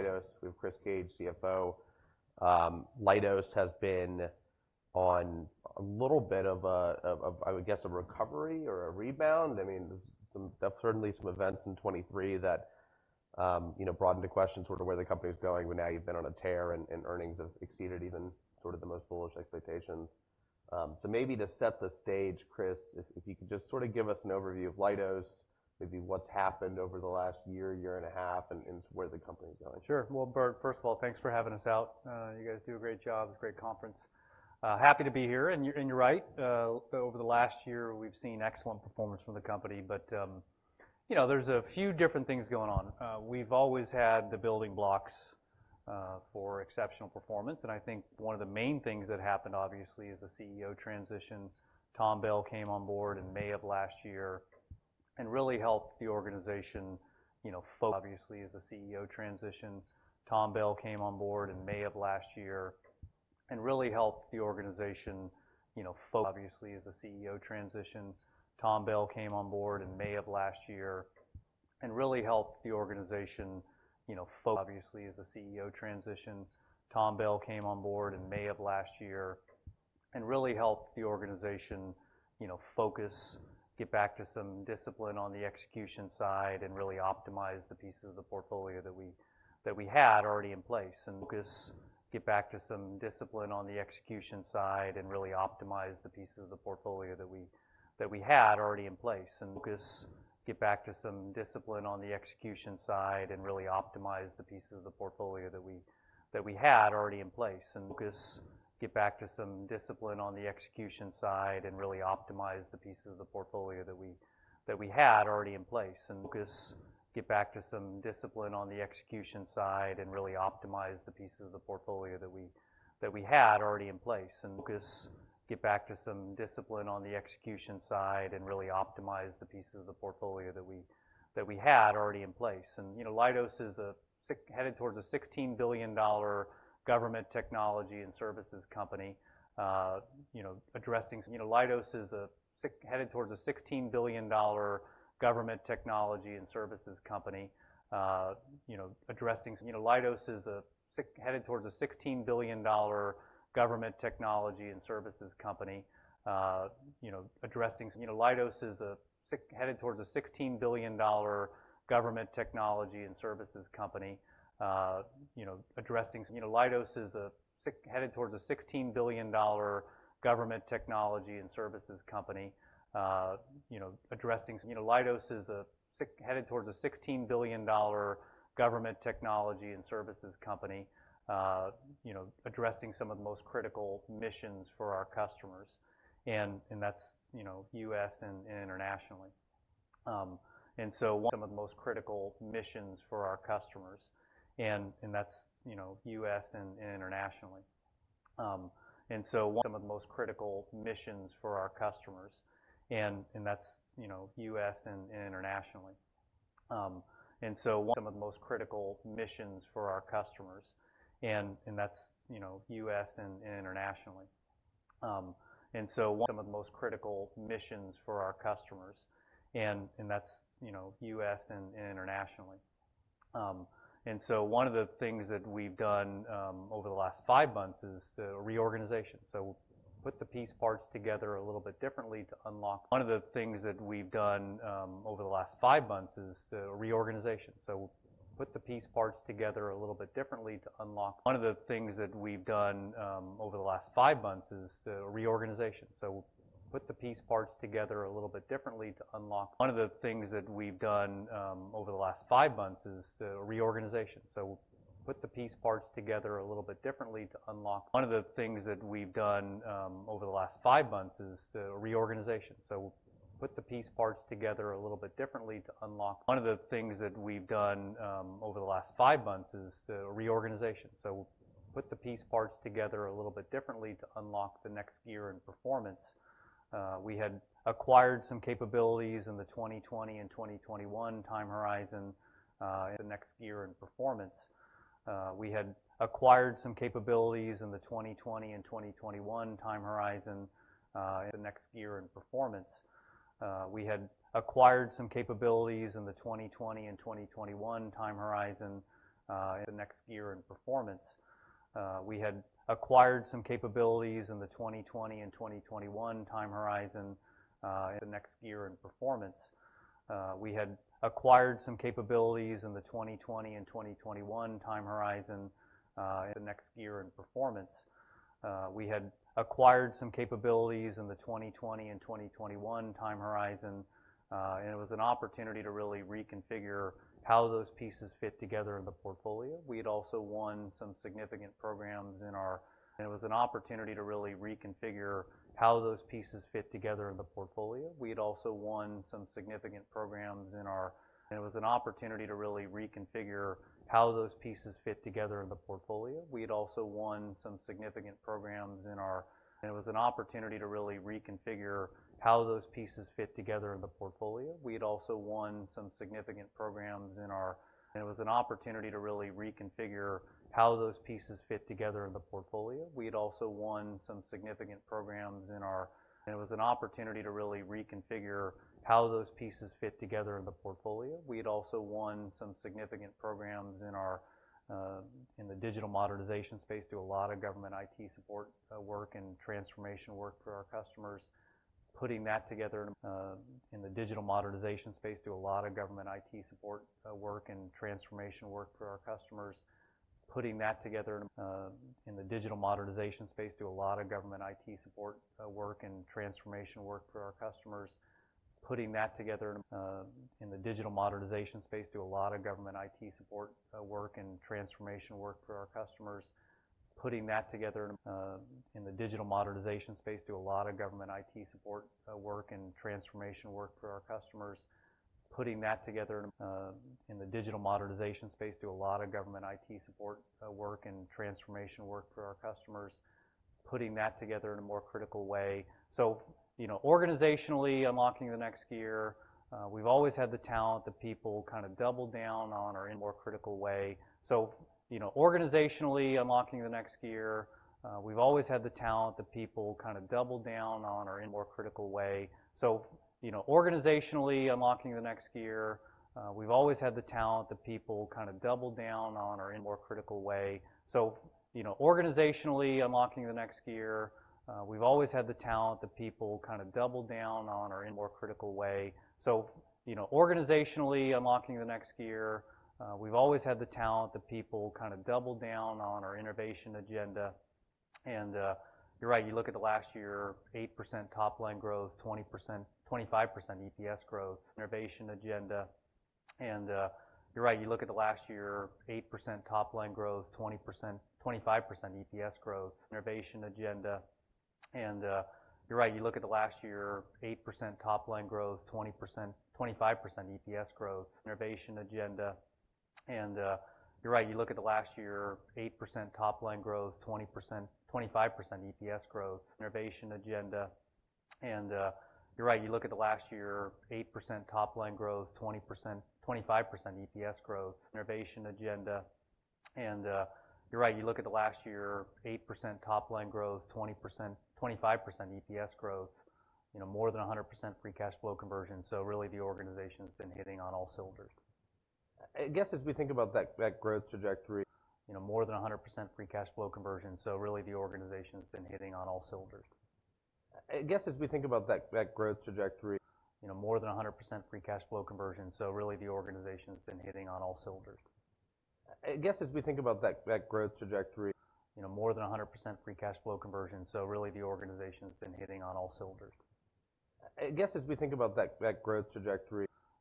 From Leidos, we have Chris Cage, CFO. Leidos has been on a little bit of a, I would guess, a recovery or a rebound. I mean, there were certainly some events in 2023 that, you know, brought into question sort of where the company was going. But now you've been on a tear and earnings have exceeded even sort of the most bullish expectations. So maybe to set the stage, Chris, if you could just sort of give us an overview of Leidos, maybe what's happened over the last year, year and a half, and where the company is going? Sure. Well, Bert, first of all, thanks for having us out. You guys do a great job, great conference. Happy to be here, and you're, and you're right. Over the last year, we've seen excellent performance from the company, but, you know, there's a few different things going on. We've always had the building blocks for exceptional performance, and I think one of the main things that happened obviously is the CEO transition. Tom Bell came on board in May of last year and really helped the organization, you know, fo-Obviously, is the CEO transition. Tom Bell came on board in May of last year and Really helped the organization, you know, focus, get back to some discipline on the execution side, and really optimize the pieces of the portfolio that we had already in place. Get back to some discipline on the execution side and really optimize the pieces of the portfolio that we had already in place. And, you know, Leidos is headed towards a $16 billion government technology and services company, you know, addressing some of the most critical missions for our customers, and that's, you know, U.S. and internationally. One of the things that we've done over the last five months is the reorganization. So, put the piece parts together a little bit differently to unlock the next gear in performance. We had acquired some capabilities in the 2020 and 2021 time horizon in the next gear in performance. It was an opportunity to really reconfigure how those pieces fit together in the portfolio. We had also won some significant programs in our digital modernization space, do a lot of government IT support work and transformation work for our customers. Putting that together in a more critical way. So, you know, organizationally unlocking the next gear, we've always had the talent, the people kinda double down on our innovation agenda. And, you're right, you look at the last year, 8% top line growth, 20%–25% EPS growth.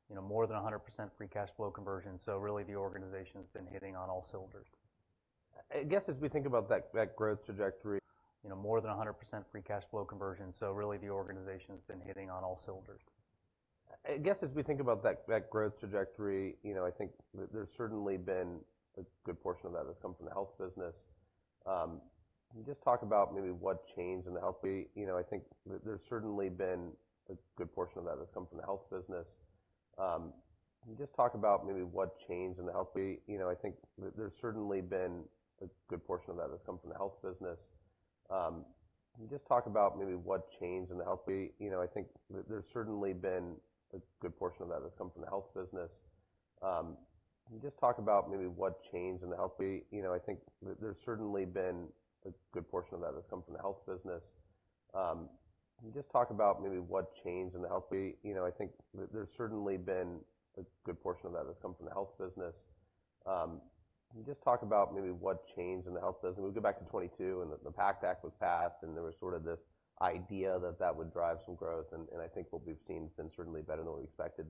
You know, more than 100% free cash flow conversion. So really, the organization has been hitting on all cylinders. I guess as we think about that, that growth trajectory, you know, I think there's certainly been a good portion of that has come from the health business. Can you just talk about maybe what changed in the health business? But as we go back to 2022, and the PACT Act was passed, and there was sort of this idea that that would drive some growth. And I think what we've seen has been certainly better than what we expected.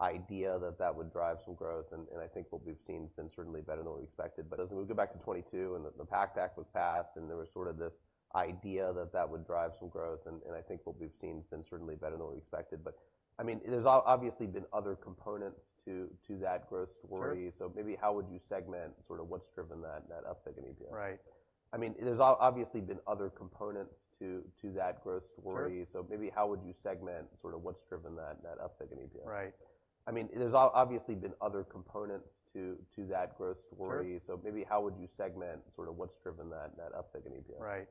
I mean, there's obviously been other components to that growth story. Maybe how would you segment sort of what's driven that uptake in VBA? Right.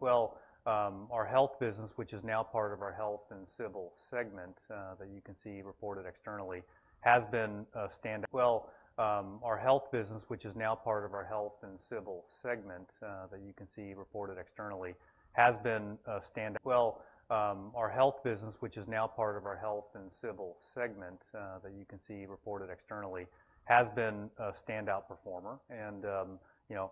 Well, our health business, which is now part of our Health & Civil segment, that you can see reported externally, has been a standout performer and, you know,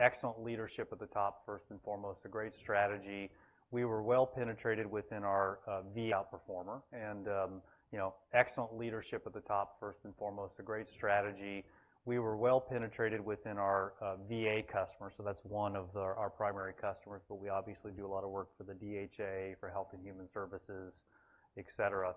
excellent leadership at the top, first and foremost, a great strategy. We were well penetrated within our VA customer, so that's one of their our primary customers, but we obviously do a lot of work for the DHA, for Health and Human Services, et cetera.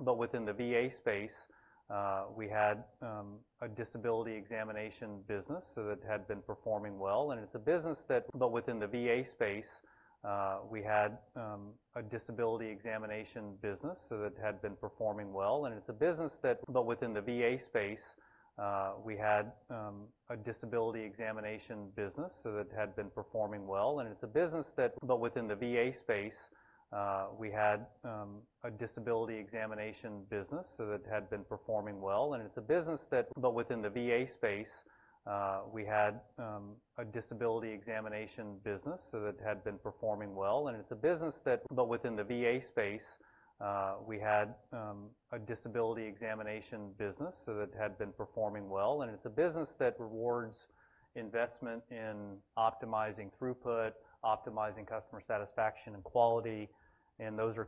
But within the VA space, we had a disability examination business, so that had been performing well, and it's a business that rewards investment in optimizing throughput, optimizing customer satisfaction and quality, and those are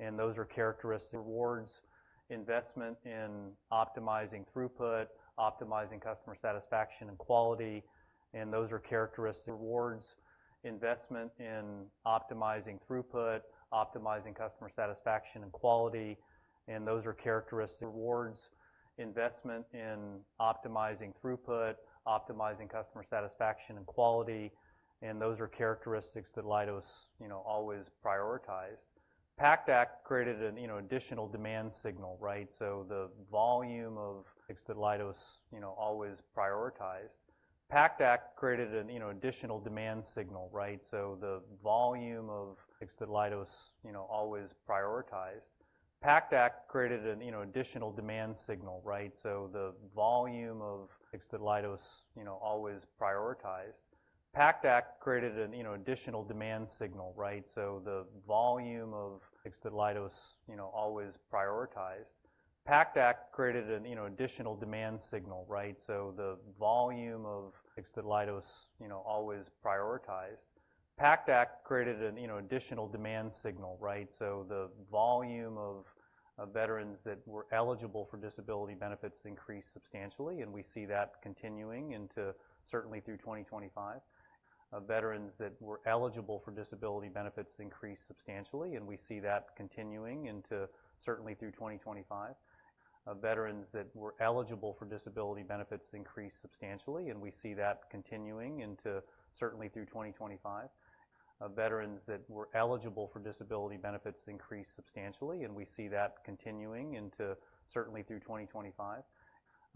characteristics that Leidos, you know, always prioritized. PACT Act created an, you know, additional demand signal, right? So the volume of veterans that were eligible for disability benefits increased substantially, and we see that continuing into certainly through 2025. The number of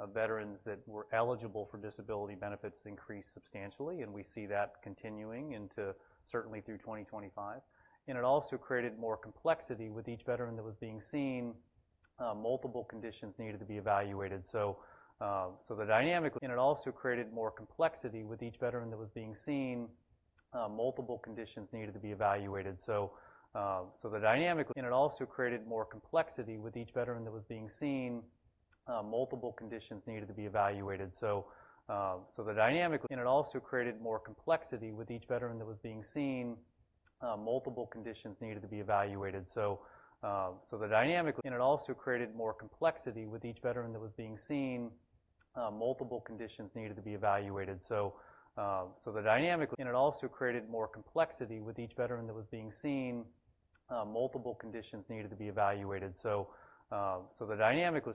veterans that were eligible for disability benefits increased substantially, and we see that continuing into, certainly, through 2025. It also created more complexity with each veteran that was being seen, multiple conditions needed to be evaluated so, the dynamic was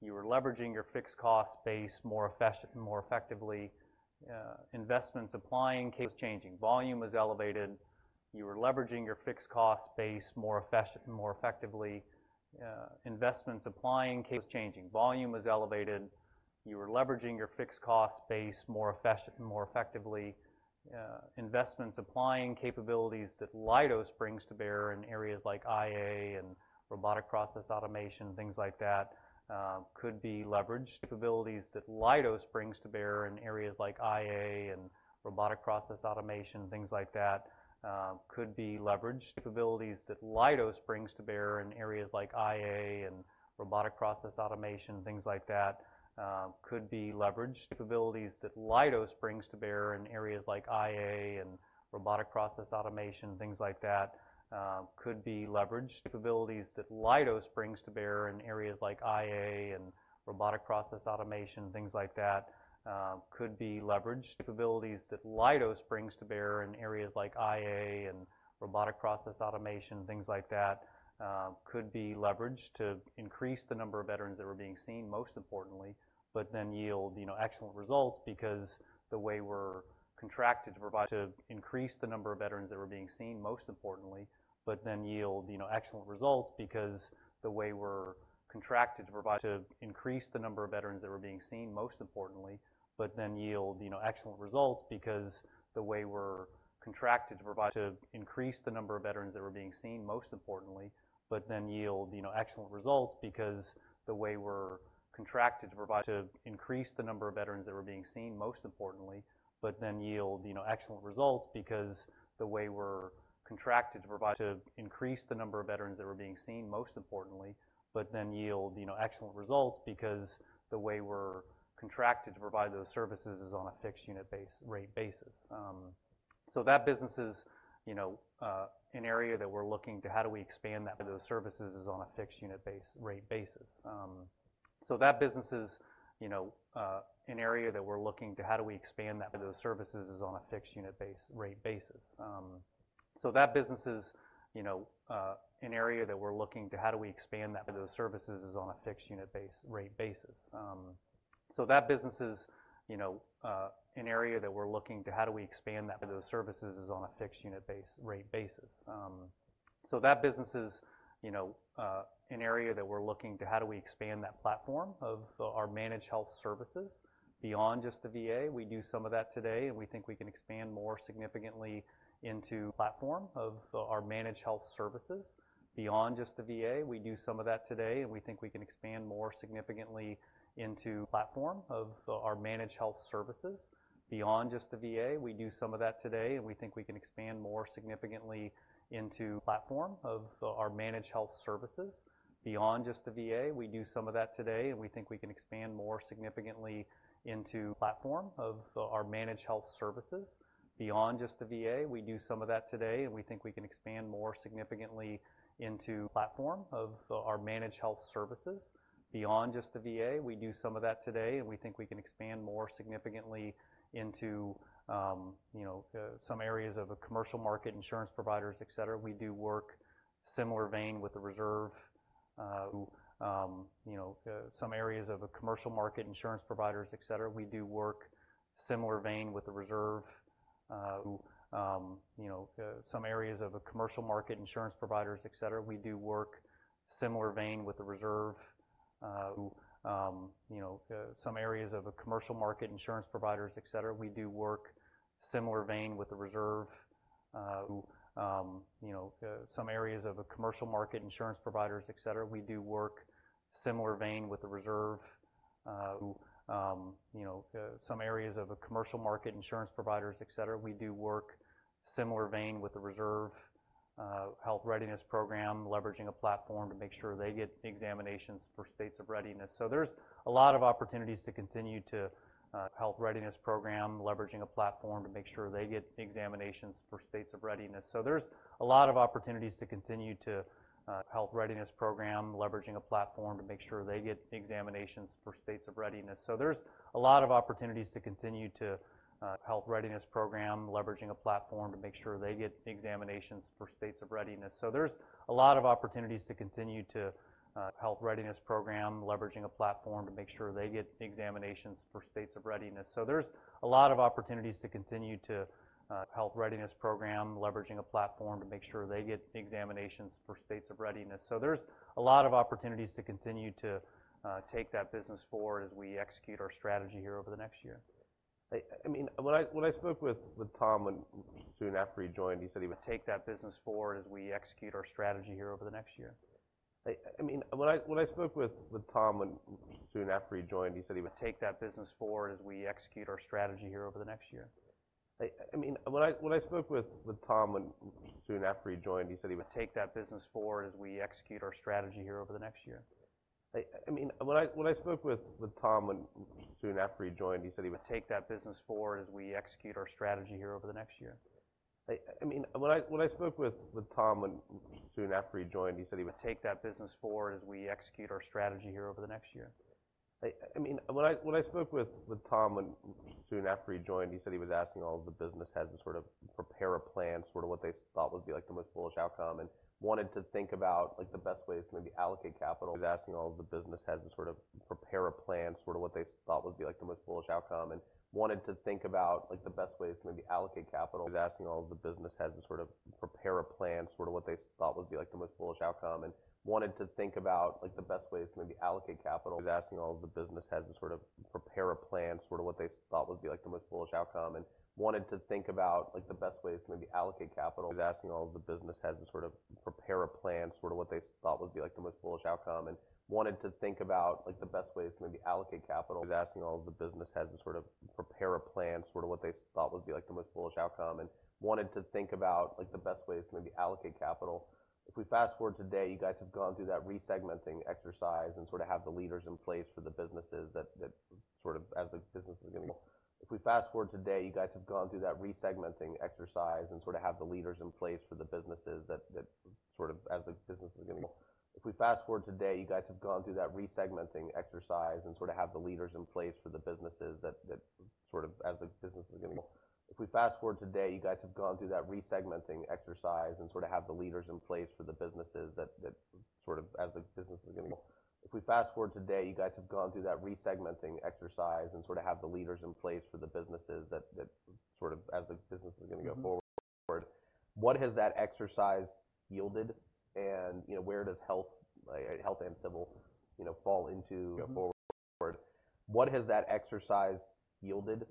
changing. Volume was elevated. You were leveraging your fixed cost base more effectively. Investments applying case was changing. Volume was elevated. Investment supplying capabilities that Leidos brings to bear in areas like IA and robotic process automation, things like that, could be leveraged to increase the number of veterans that were being seen, most importantly, but then yield, you know, excellent results because the way we're contracted to provide those services is on a fixed unit rate basis. So that business is, you know, an area that we're looking to... How do we expand that platform of our managed health services beyond just the VA? We do some of that today, and we think we can expand more significantly into platforms of our Managed Health Services beyond just the VA, you know, some areas of a commercial market, insurance providers, et cetera. We do work similar vein with the Reserve health readiness program, leveraging a platform to make sure they get examinations for states of readiness. So there's a lot of opportunities to continue to take that business forward as we execute our strategy here over the next year. I mean, when I spoke with Tom, soon after he joined, he said he was asking all the business heads to sort of prepare a plan, sort of what they thought would be, like, the most bullish outcome, and wanted to think about, like, the best ways to maybe allocate capital. If we fast-forward today, you guys have gone through that resegmenting exercise and sort of have the leaders in place for the businesses that sort of as the business is gonna go. If we fast-forward today, you guys have gone through that resegmenting exercise and sort of have the leaders in place for the businesses that sort of as the business is going to go forward. What has that exercise yielded? You know, where does health, like Health & Civil, you know, fall into going forward? What has that exercise yielded?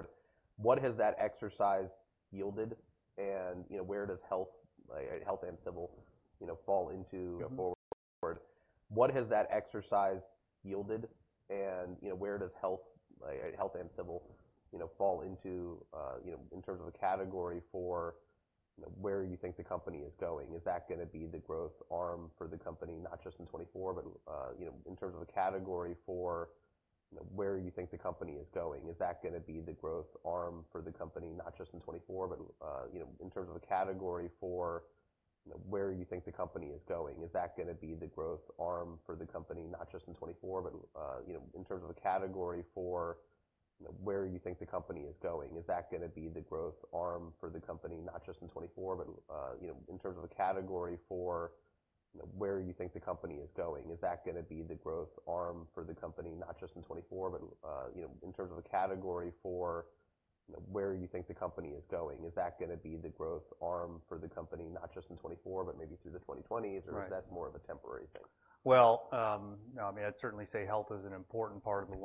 In terms of a category for where you think the company is going, is that gonna be the growth arm for the company, not just in 2024, but maybe through the 2020s or is that more of a temporary thing? Well, I mean, I'd certainly say health is an important part of the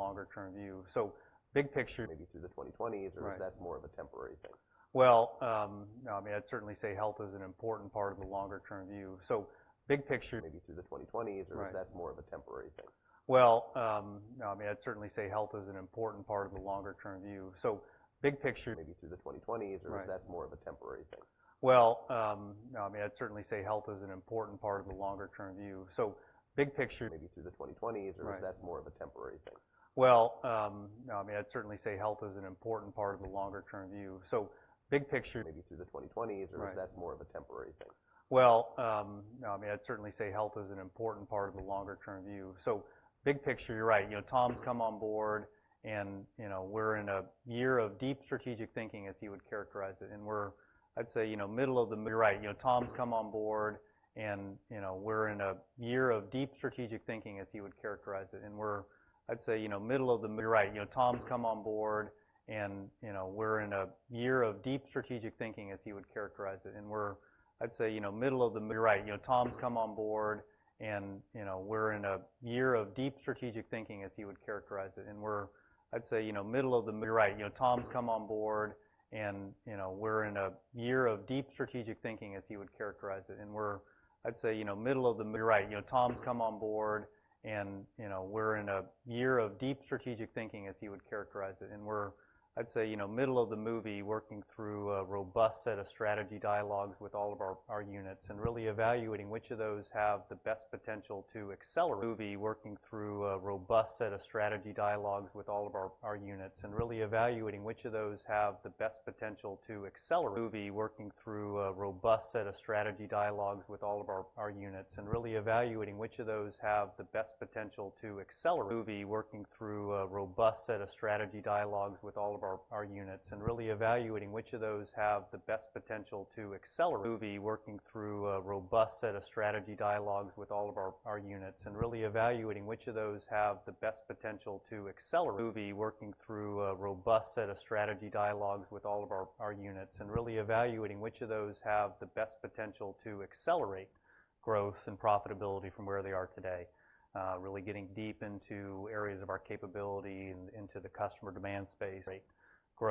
longer-term view. So big picture, you're right. You know, Tom's come on board, and, you know, we're in a year of deep strategic thinking, as he would characterize it, and we're middle of the movie, working through a robust set of strategy dialogues with all of our units, and really evaluating which of those have the best potential to accelerate growth and profitability from where they are today. Really getting deep into areas of our capability and into the customer demand space. You know,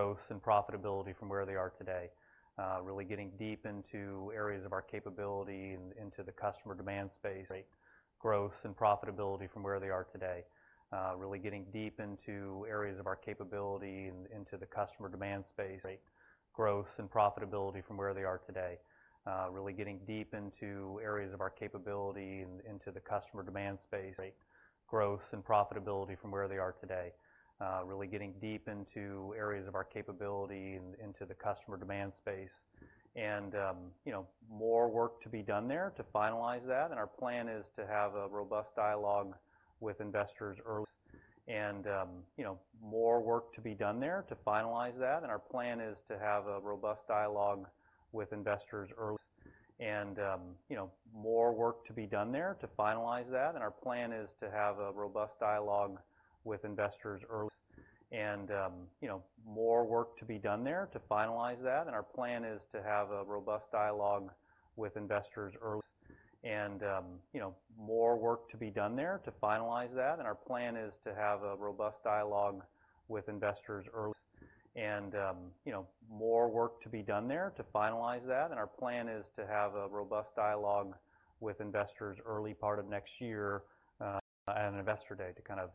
more work to be done there to finalize that, and our plan is to have a robust dialogue with investors early part of next year, at an Investor Day to kind of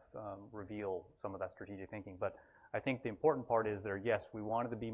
reveal some of that strategic thinking. But I think the important part is that, yes, we wanted to be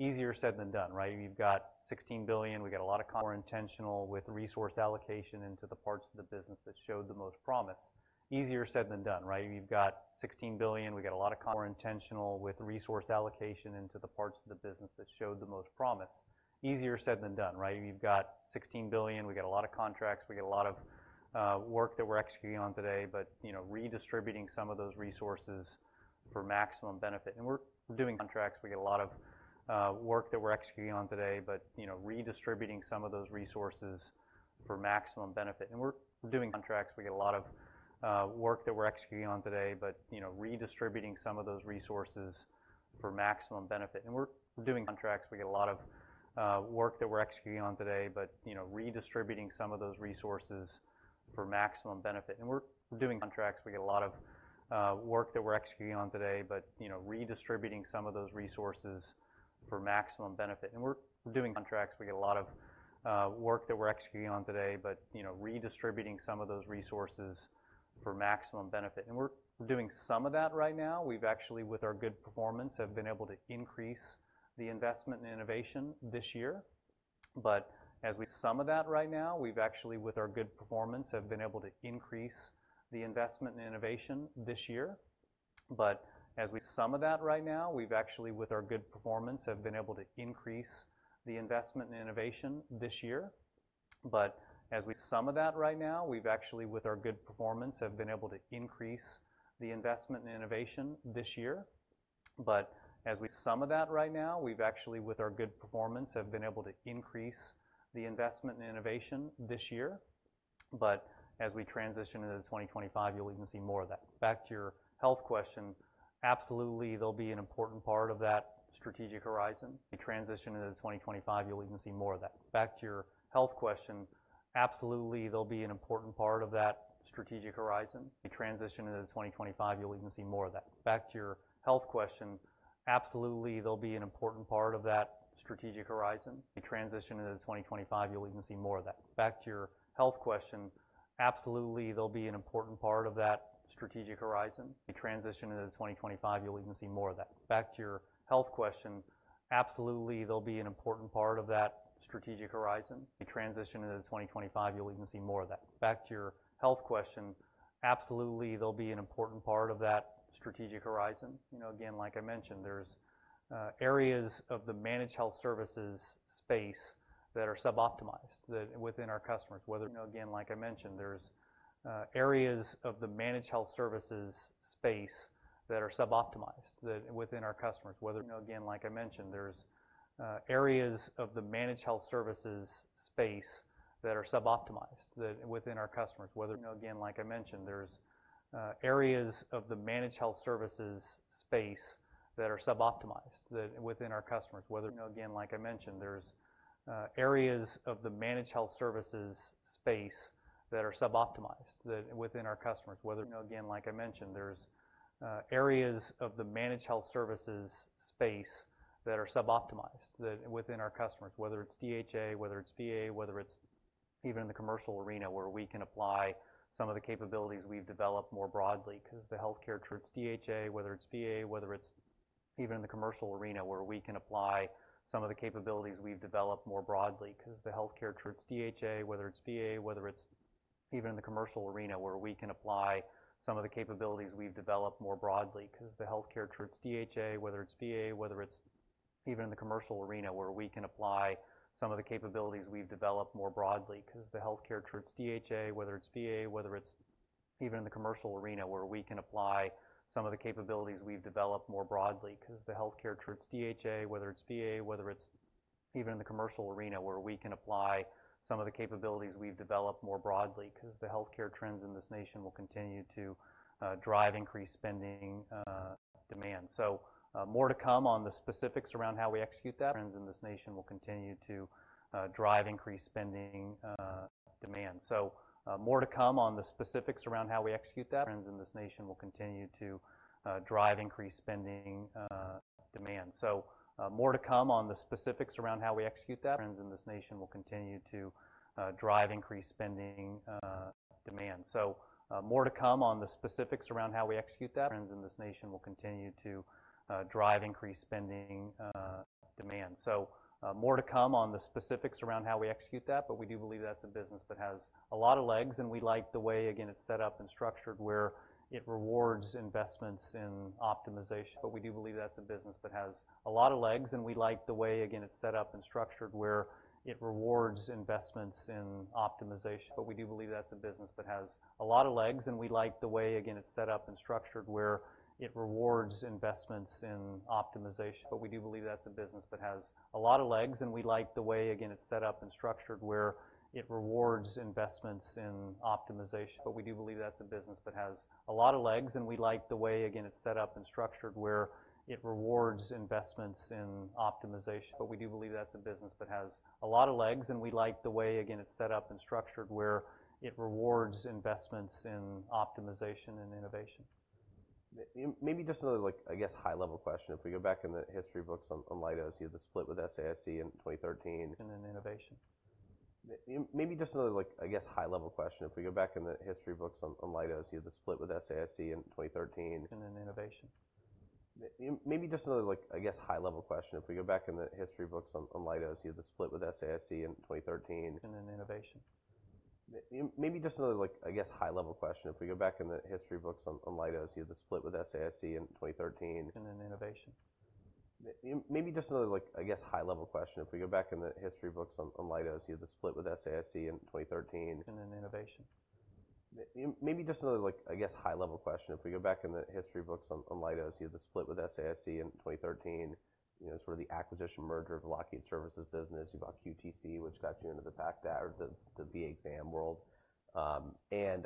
more intentional with resource allocation into the parts of the business that showed the most promise. Easier said than done, right? We've got $16 billion. We got a lot of contracts. We get a lot of work that we're executing on today, but, you know, redistributing some of those resources for maximum benefit. We're doing some of that right now. We've actually, with our good performance, have been able to increase the investment in innovation this year. But as we transition into 2025, you'll even see more of that. Back to your health question, absolutely, they'll be an important part of that strategic horizon. You know, again, like I mentioned, there's areas of the managed health services space that are suboptimized, that within our customers, whether it's DHA, whether it's VA, whether it's even in the commercial arena, where we can apply some of the capabilities we've developed more broadly, because the healthcare trends in this nation will continue to drive increased spending, demand. So, more to come on the specifics around how we execute that, but we do believe that's a business that has a lot of legs, and we like the way, again, it's set up and structured, where it rewards investments in optimization and innovation. Maybe just another, like, I guess, high-level question. If we go back in the history books on, on Leidos, you had the split with SAIC in 2013 And then innovation. You know, sort of the acquisition merger of the Lockheed Services business. You bought QTC, which got you into the fact that or the VA exam world. And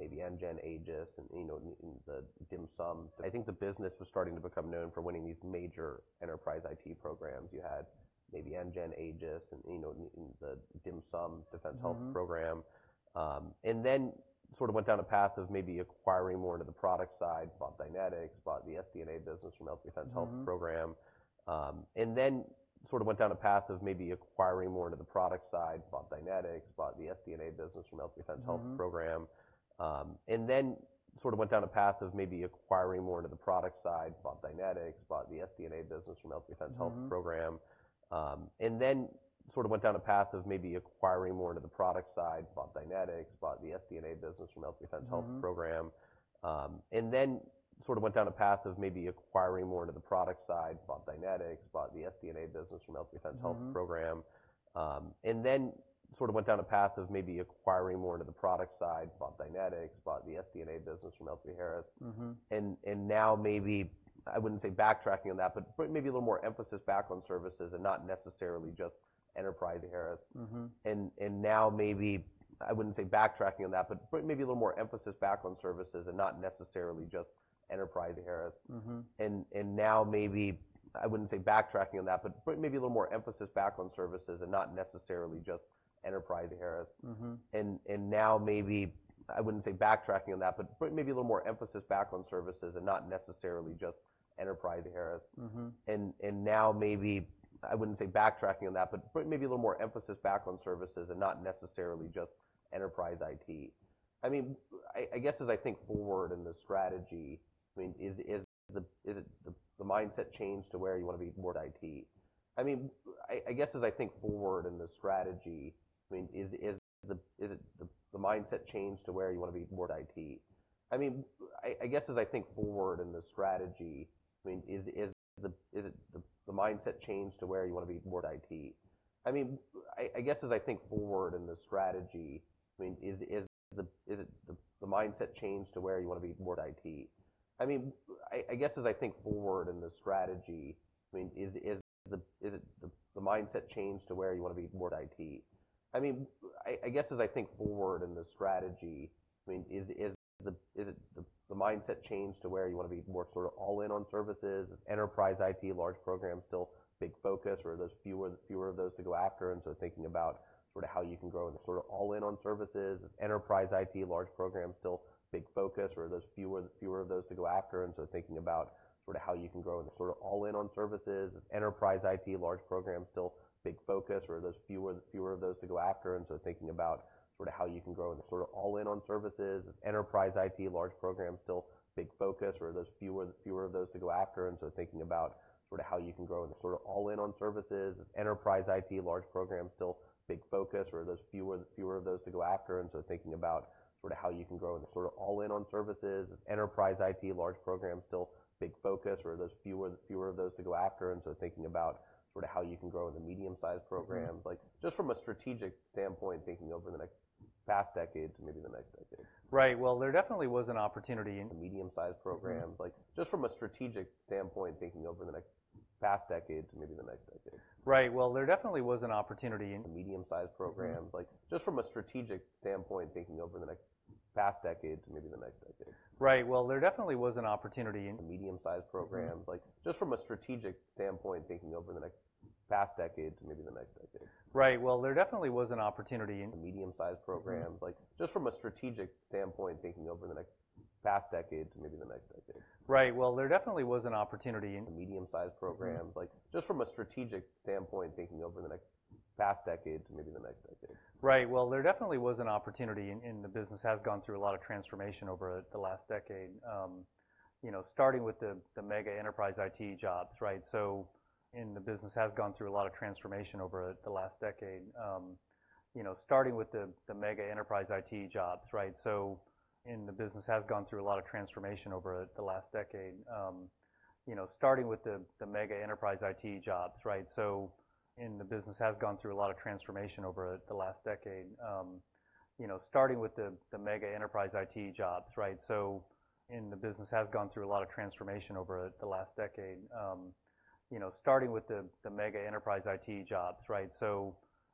I think the business was starting to become known for winning these major enterprise IT programs. You had maybe NGEN AEGIS and, you know, the DHMSM Defense Health Program. Mm-hmm. And then sort of went down a path of maybe acquiring more into the product side, bought Dynetics, bought the SD&A business from L3Harris. Now maybe I wouldn't say backtracking on that, but putting maybe a little more emphasis back on services and not necessarily just enterprise IT, large programs, still big focus, or are those fewer of those to go after? And so thinking about sort of how you can grow in the medium-sized programs. Mm-hmm. Like, just from a strategic standpoint, thinking over the next past decade to maybe the next decade. Right. Well, there definitely was an opportunity,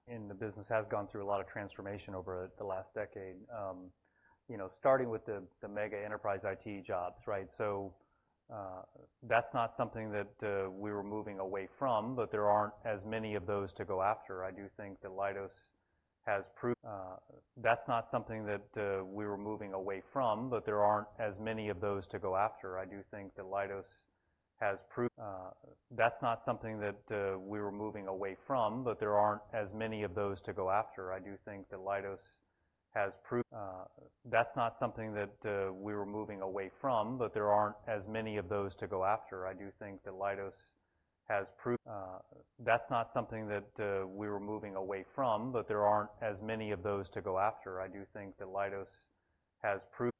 and the business has gone through a lot of transformation over the last decade, you know, starting with the mega enterprise IT jobs, right? So, that's not something that we were moving away from, but there aren't as many of those to go after. I do think that Leidos has proven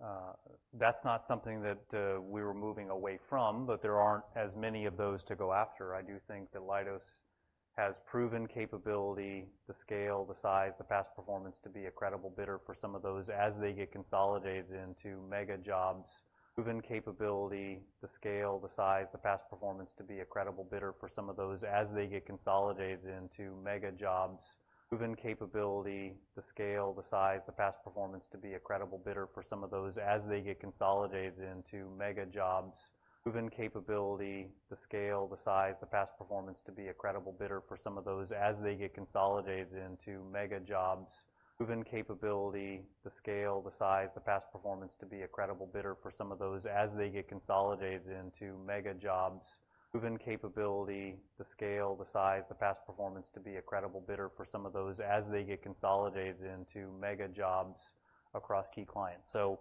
capability, the scale, the size, the past performance to be a credible bidder for some of those as they get consolidated into mega jobs across key clients. So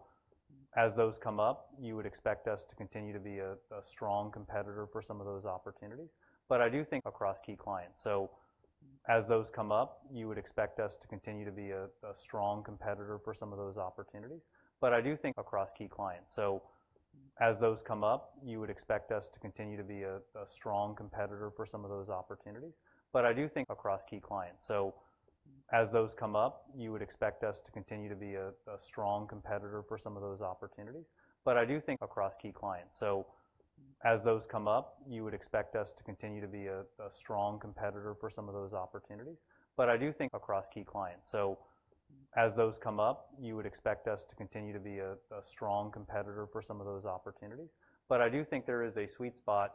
as those come up, you would expect us to continue to be a strong competitor for some of those opportunities. I do think there is a sweet spot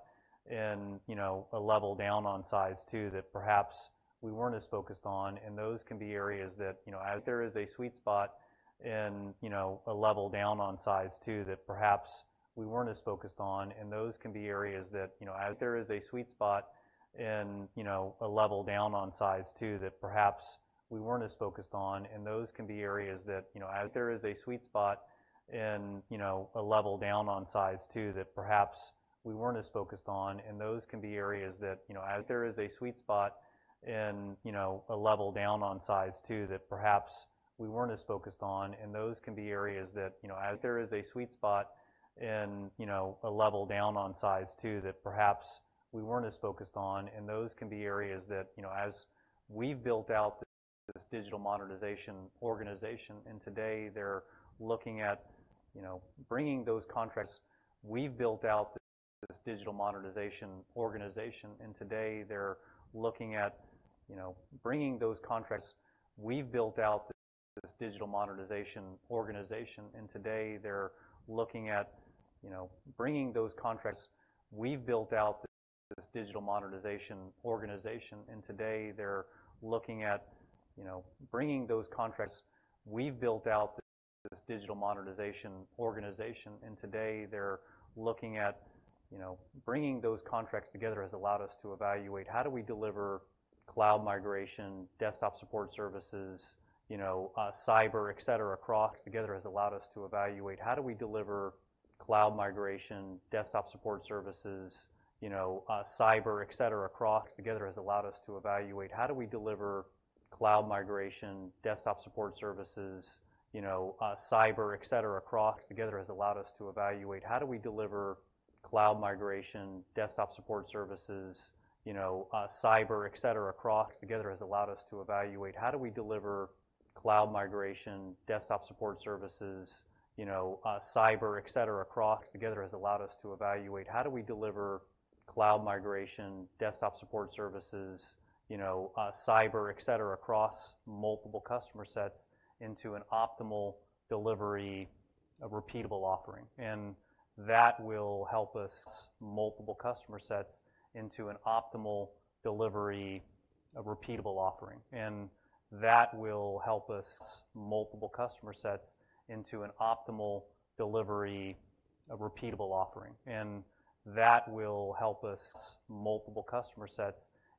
in, you know, a level down on size, too, that perhaps we weren't as focused on, and those can be areas that, you know, as we built out this digital modernization organization, and today they're looking at, you know, bringing those contracts together has allowed us to evaluate how do we deliver cloud migration, desktop support services, you know, cyber, et cetera, across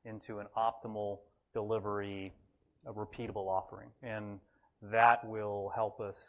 multiple customer sets into an optimal delivery, a repeatable offering. And that will help us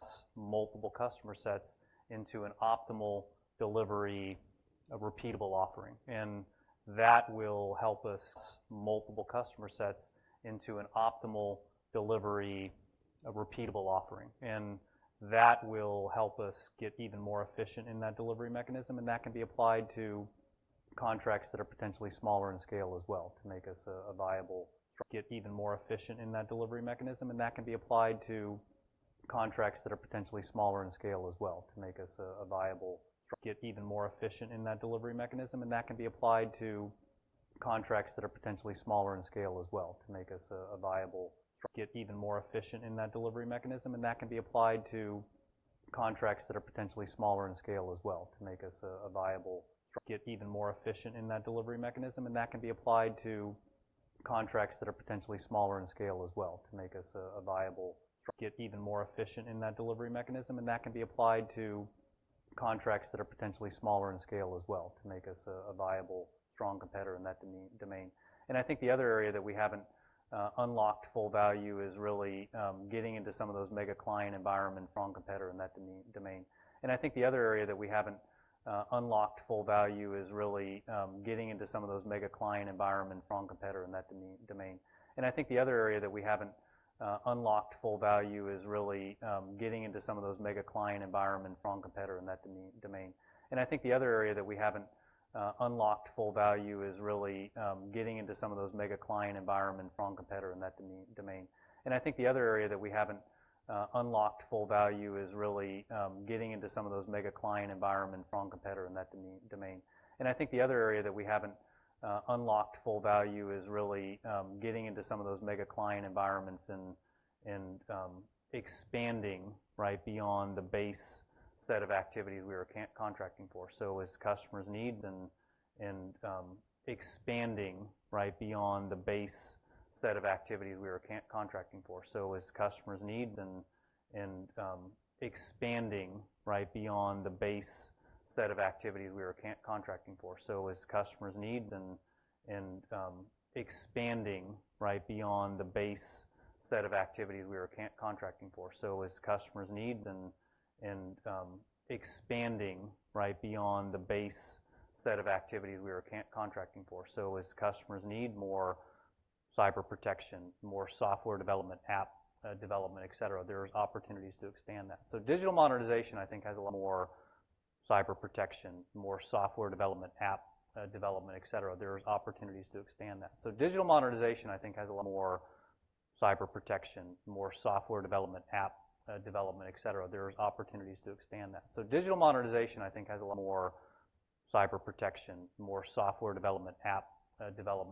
get even more efficient in that delivery mechanism, and that can be applied to contracts that are potentially smaller in scale as well, to make us a viable, strong competitor in that domain. And I think the other area that we haven't unlocked full value is really getting into some of those mega client environments and expanding right beyond the base set of activities we were contracting for. So as customers need more cyber protection, more software development, app development,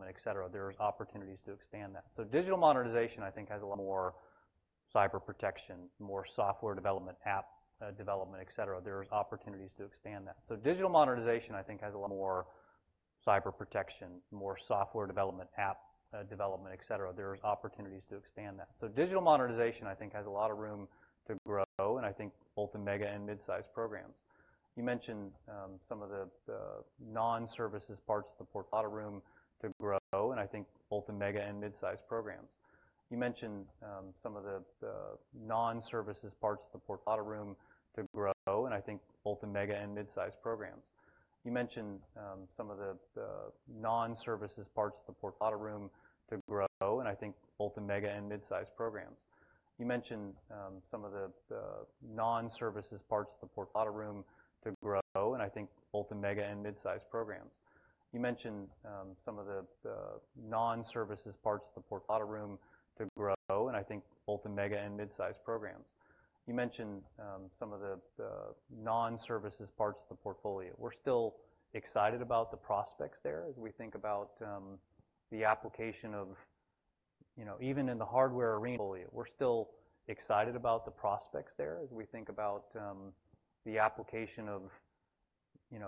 etcetera, there's opportunities to expand that. So digital modernization, I think, has a lot of room to grow, and I think both in mega and mid-size programs. You mentioned some of the non-services parts of the portfolio, a lot of room to grow, and I think both in mega and mid-size programs. We're still excited about the prospects there as we think about the application of, you know, even in the hardware arena. It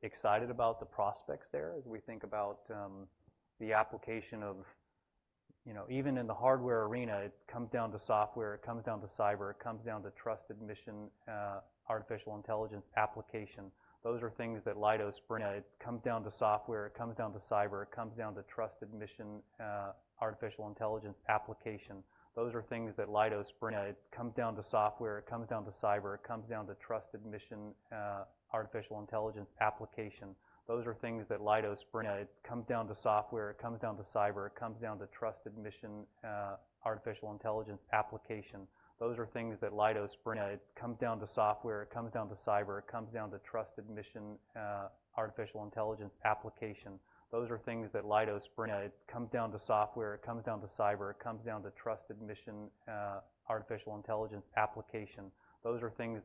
comes down to software, it comes down to cyber, it comes down to trusted mission, artificial intelligence application. Those are things that Leidos brings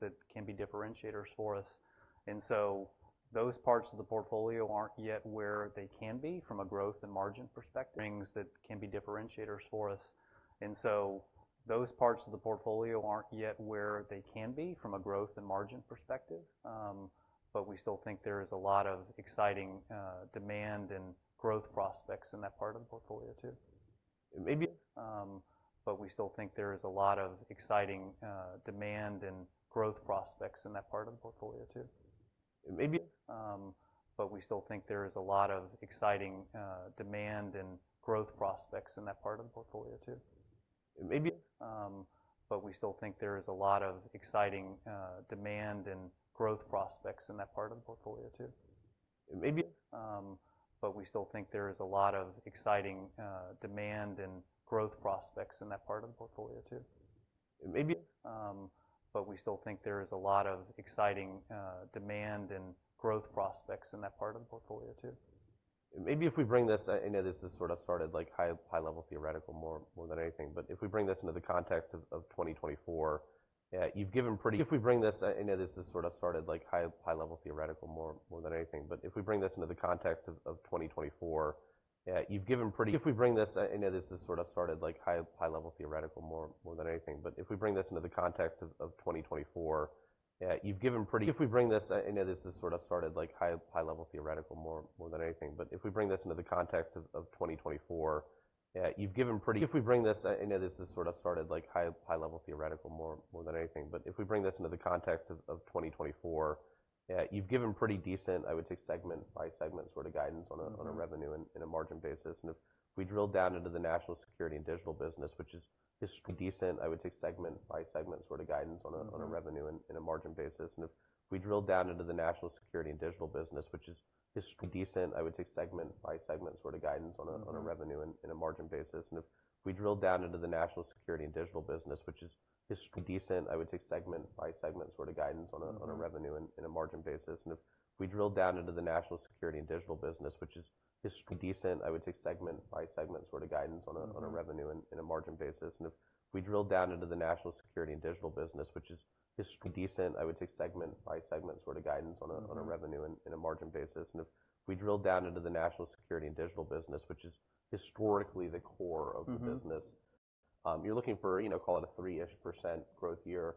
that can be differentiators for us. And so those parts of the portfolio aren't yet where they can be from a growth and margin perspective. But we still think there is a lot of exciting, demand and growth prospects in that part of the portfolio too. Maybe if we bring this, I know this is sort of started like high, high level theoretical more, more than anything, but if we bring this into the context of 2024, yeah, you've given pretty I would say, segment by segment sort of guidance on a revenue and a margin basis. And if we drill down into the national security and digital business, which is decent which is historically the core of the business- Mm-hmm. You're looking for, you know, call it a 3%-ish growth year.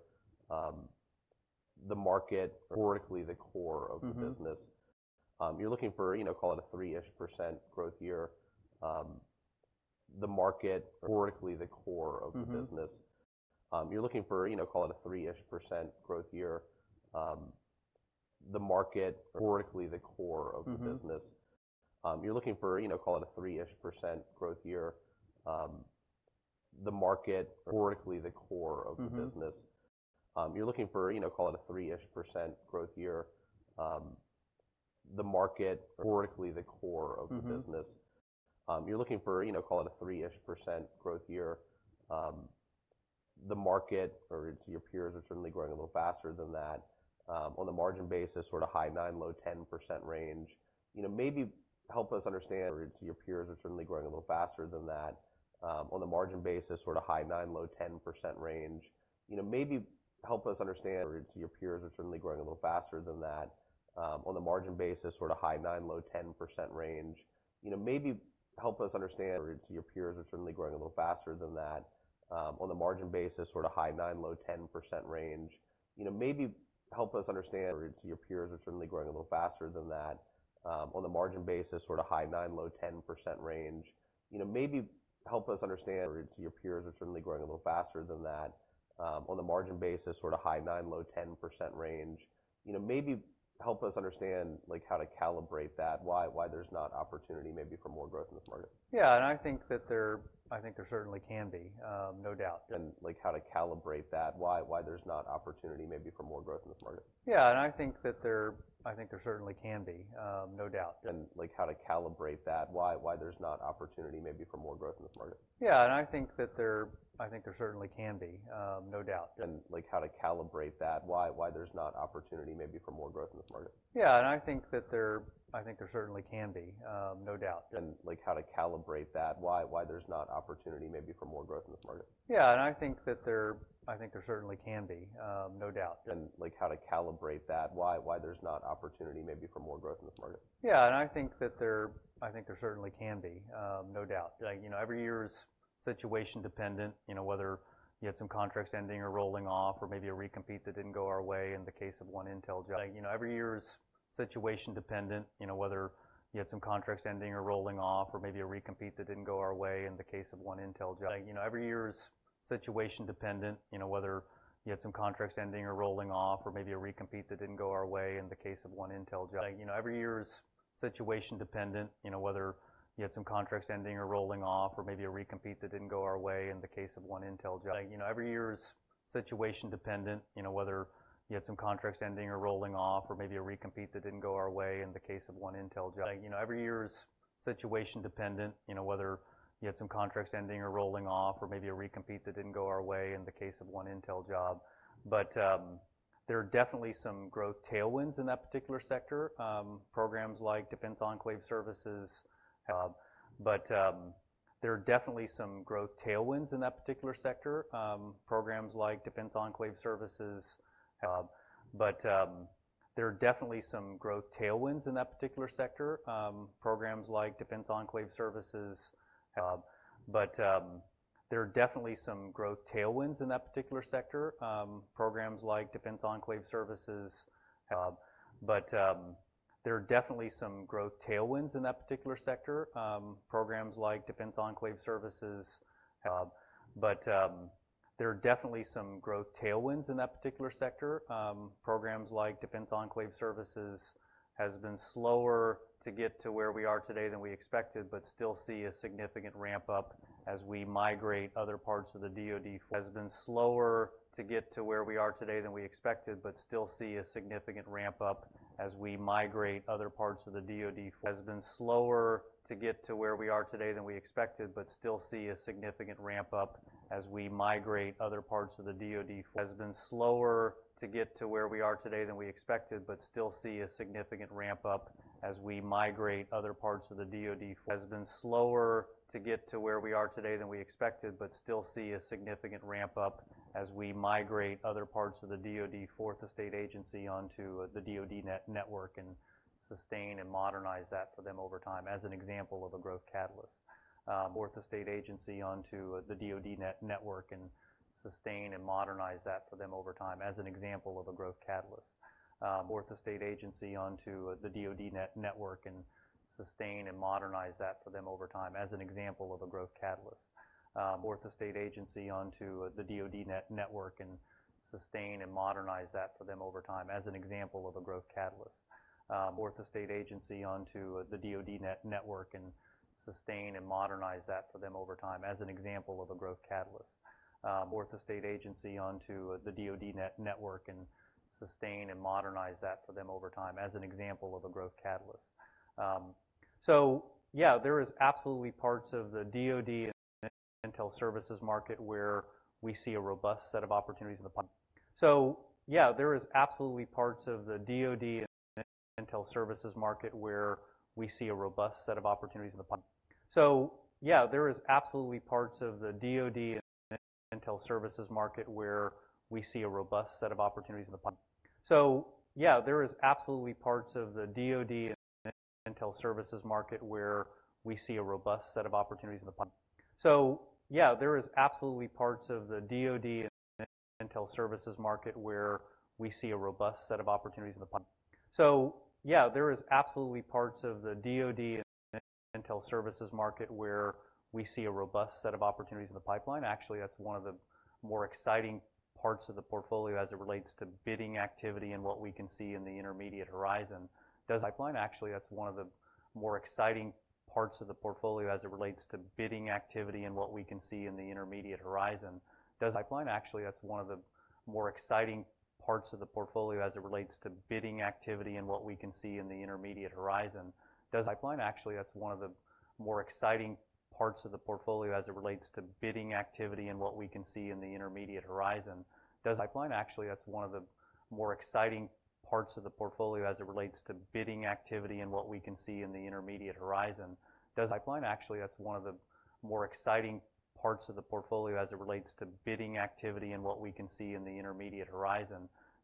The market or your peers are certainly growing a little faster than that. On the margin basis, sort of high 9%, low 10% range. You know, maybe help us understand like, how to calibrate that, why, why there's not opportunity maybe for more growth in this market. Yeah, and I think there certainly can be no doubt. Like, you know, every year is situation dependent, you know, whether you had some contracts ending or rolling off or maybe a recompete that didn't go our way in the case of one intel job. But, there are definitely some growth tailwinds in that particular sector. Programs like Defense Enclave Services, but there are definitely some growth tailwinds in that particular sector. Programs like Defense Enclave Services has been slower to get to where we are today than we expected, but still see a significant ramp up as we migrate other parts of the DoD. Has been slower to get to where we are today than we expected, but still see a significant ramp up as we migrate other parts of the DoD Fourth Estate agency onto the DoDIN network and sustain and modernize that for them over time, as an example of a growth catalyst. So yeah, there is absolutely parts of the DoD Intel services market where we see a robust set of opportunities in the pipeline. Actually, that's one of the more exciting parts of the portfolio as it relates to bidding activity and what we can see in the intermediate horizon.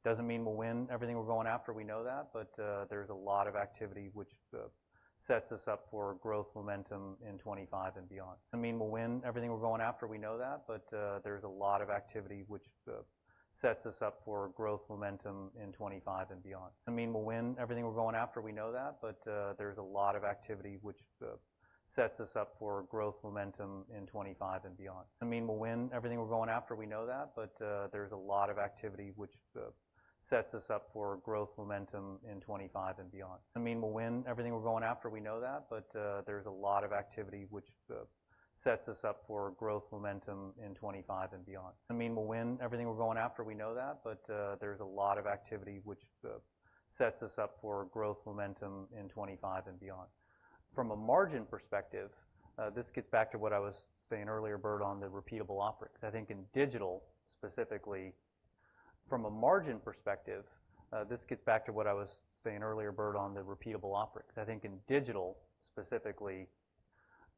Doesn't mean we'll win everything we're going after, we know that, but there's a lot of activity which sets us up for growth momentum in 2025 and beyond.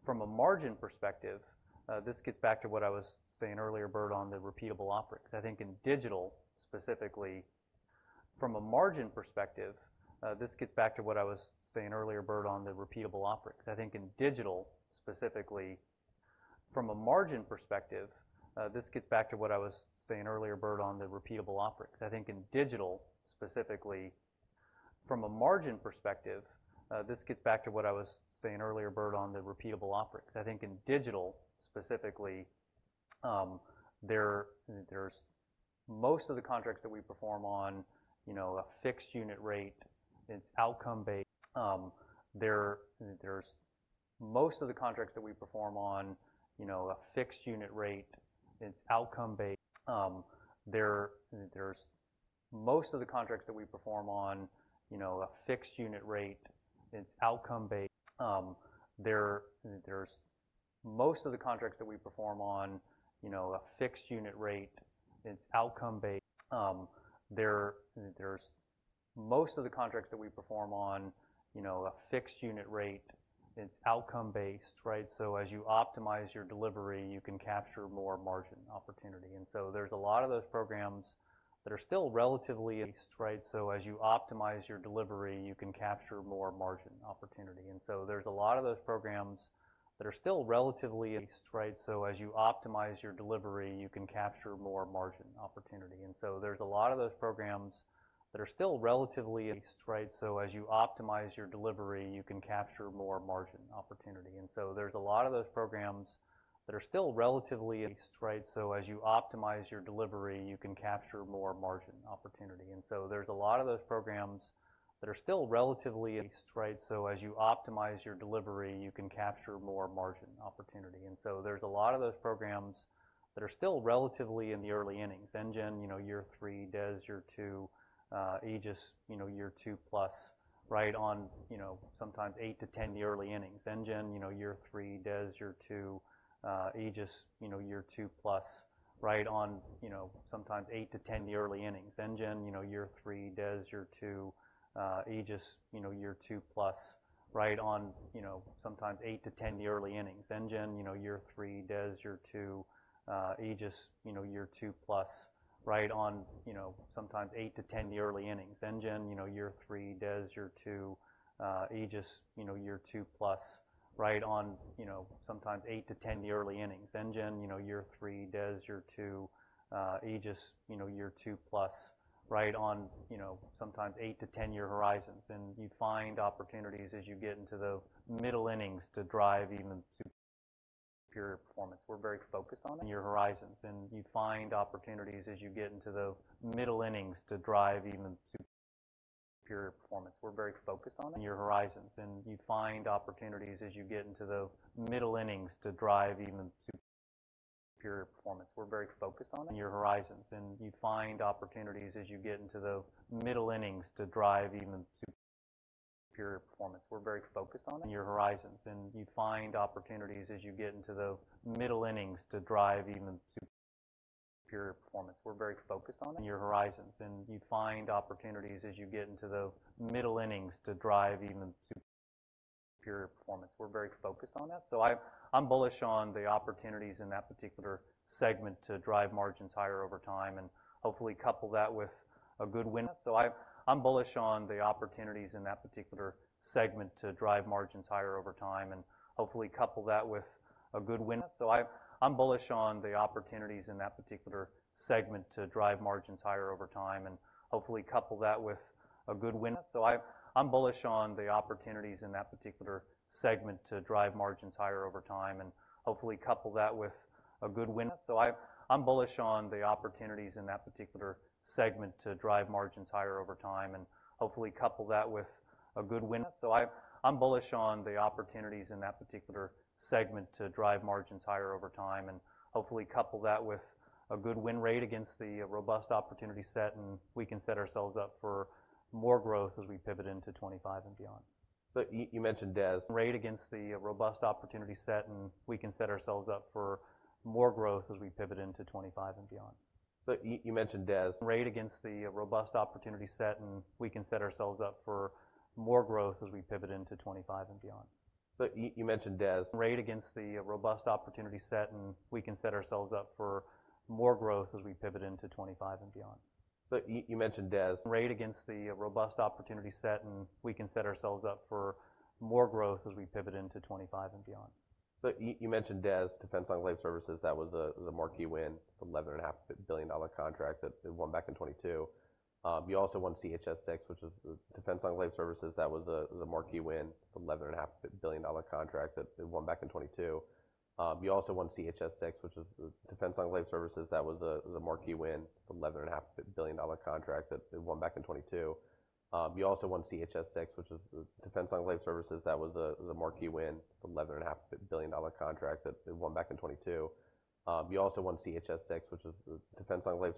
From a margin perspective, this gets back to what I was saying earlier, Bert, on the repeatable operates. I think in digital specifically, there's most of the contracts that we perform on, you know, a fixed unit rate, it's outcome-based, right? So as you optimize your delivery, you can capture more margin opportunity. And so there's a lot of those programs that are still relatively in the NGEN, you know, year three, DES year two, Aegis, you know, year two-plus, right on, you know, sometimes eight to 10-year early innings and you find opportunities as you get into the middle innings to drive even super superior performance. We're very focused on that. So I, I'm bullish on the opportunities in that particular segment to drive margins higher over time and hopefully couple that with a good win rate against the robust opportunity set, and we can set ourselves up for more growth as we pivot into 2025 and beyond. So you, you mentioned DES, Defense Enclave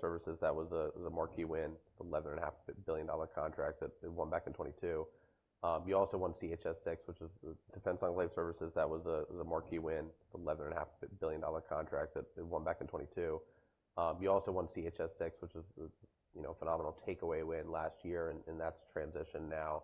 Services, that was the marquee win, the $11.5 billion contract that it won back in 2022. You also won CHS-6 which was the, you know, phenomenal takeaway win last year, and, and that's transitioned now.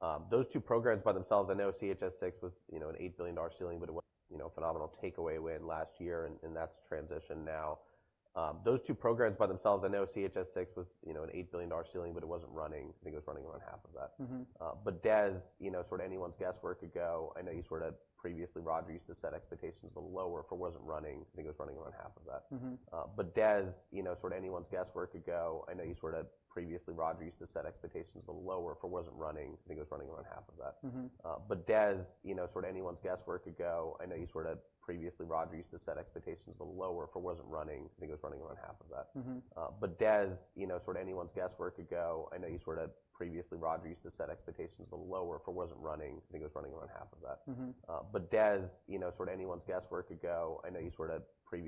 But DES, you know, sort of anyone's guess where it could go. I know you sort of previously, Roger, used to set expectations a little lower for it.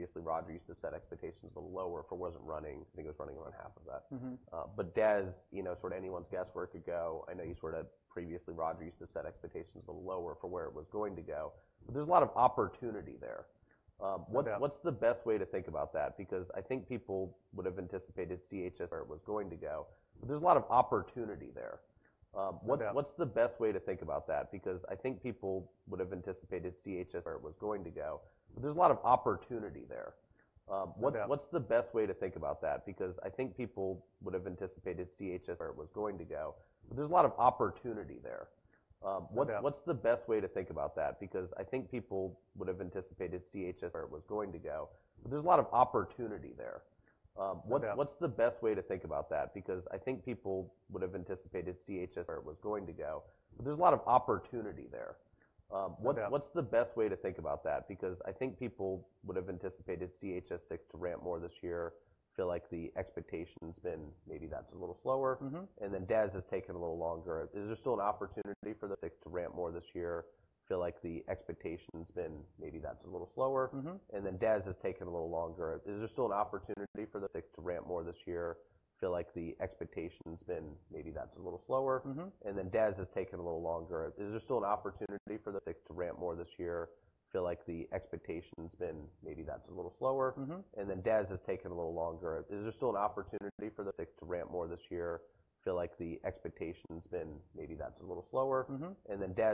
Wasn't running. I think it was running around half of that. Mm-hmm. But DES, you know, sort of anyone's guess where it could go. I know you sort of previously, Roger, used to set expectations a little lower for where it was going to go. But there's a lot of opportunity there. What's the best way to think about that? Because I think people would have anticipated CHS-6 to ramp more this year, feel like the expectation's been maybe that's a little slower. Mm-hmm. Then DES has taken a little longer. Is there still an opportunity for the CHS-6 to ramp more this year? And then DES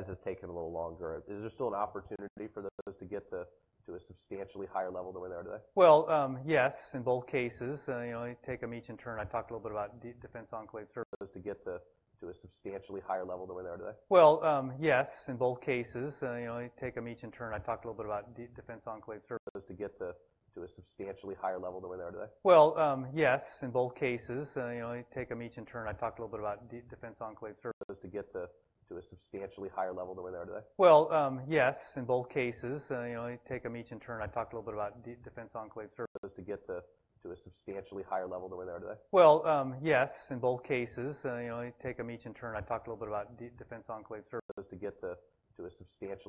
has taken a little longer. Is there still an opportunity for those to get the, to a substantially higher level than we're there today? Well, yes, in both cases, you know, take them each in turn. I talked a little bit about Defense Enclave Services to get to a substantially higher level than we're there today. So, you know, it's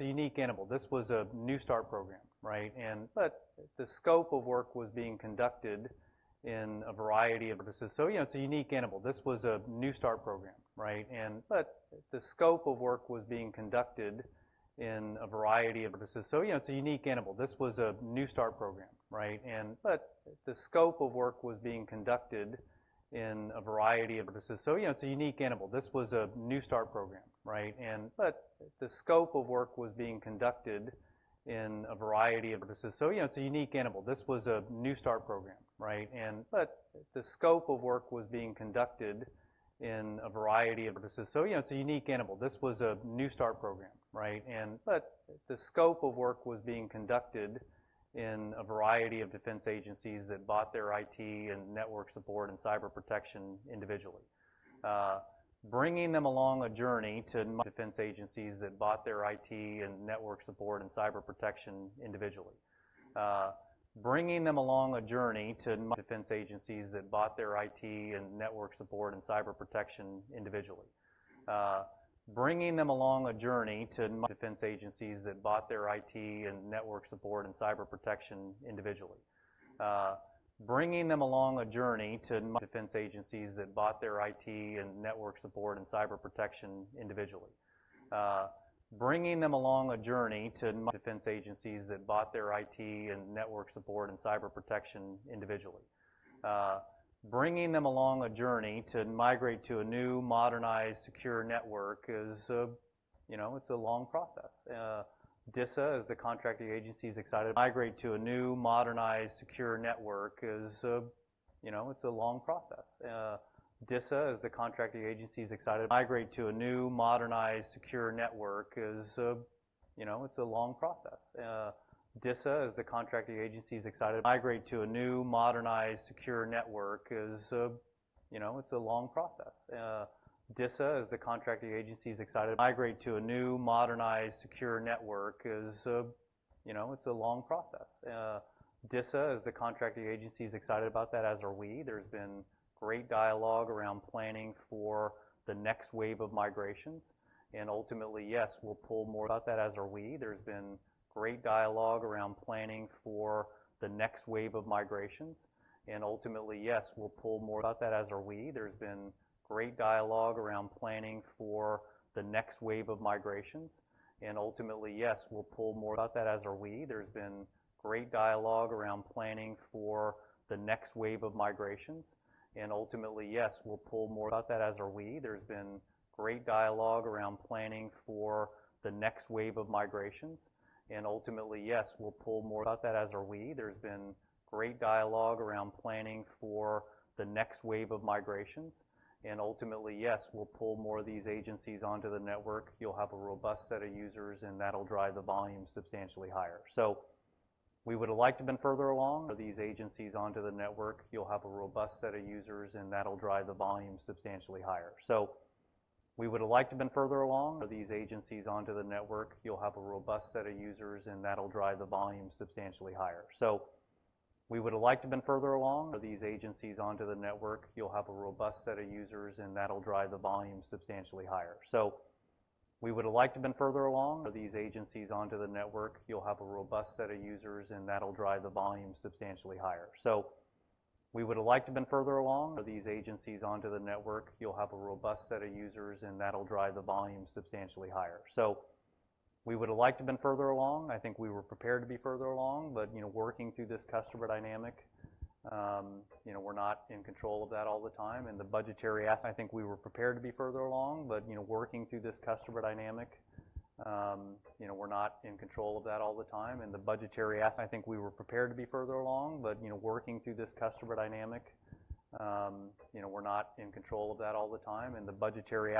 a unique animal. This was a new start program, right? But the scope of work was being conducted in a variety of services. So, yeah, it's a unique animal. This was a new start program, right? The scope of work was being conducted in a variety of defense agencies that bought their IT and network support and cyber protection individually. Bringing them along a journey to migrate to a new, modernized, secure network is a, you know, it's a long process. DISA, as the contracting agency, is excited about that, as are we. There's been great dialogue around planning for the next wave of migrations, and ultimately, yes, we'll pull more of these agencies onto the network. You'll have a robust set of users, and that'll drive the volume substantially higher. So we would have liked to have been further along. Once these agencies onto the network, you'll have a robust set of users, and that'll drive the volume substantially higher. I think we were prepared to be further along, but, you know, working through this customer dynamic, you know, we're not in control of that all the time, and the budgetary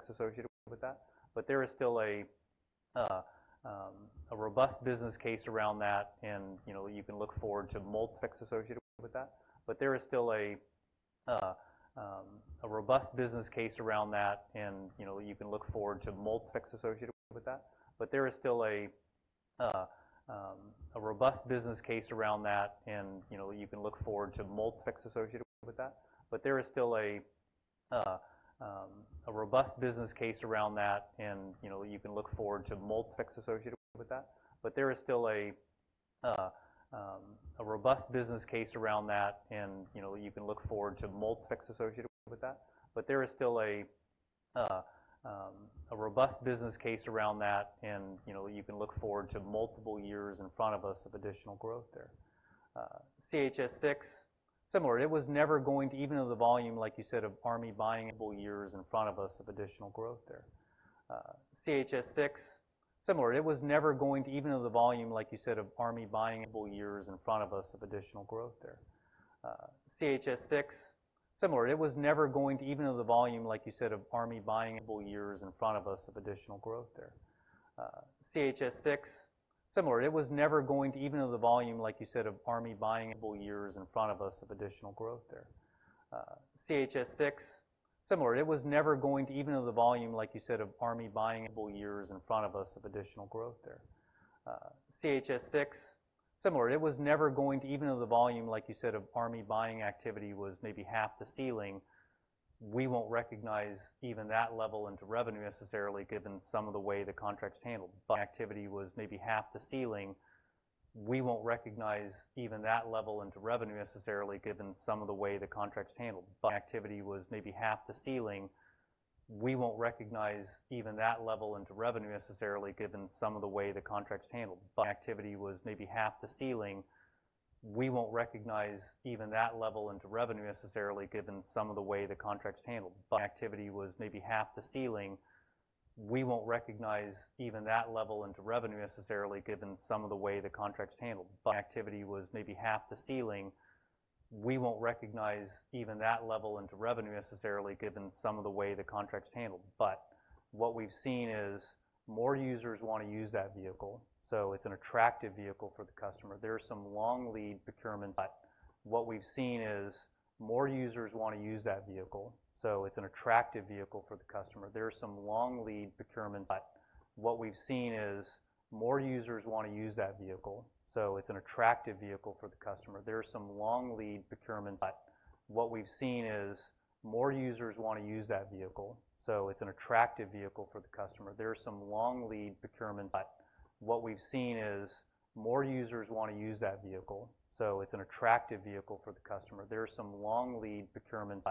aspects associated with that. But there is still a robust business case around that, and, you know, you can look forward to multiple years in front of us of additional growth there. CHS-6, similar, it was never going to be the volume, like you said, of Army buying several years in front of us of additional growth there. We won't recognize even that level into revenue necessarily, given some of the way the contract is handled. But activity was maybe half the ceiling. But what we've seen is more users want to use that vehicle, so it's an attractive vehicle for the customer. There are some long lead procurements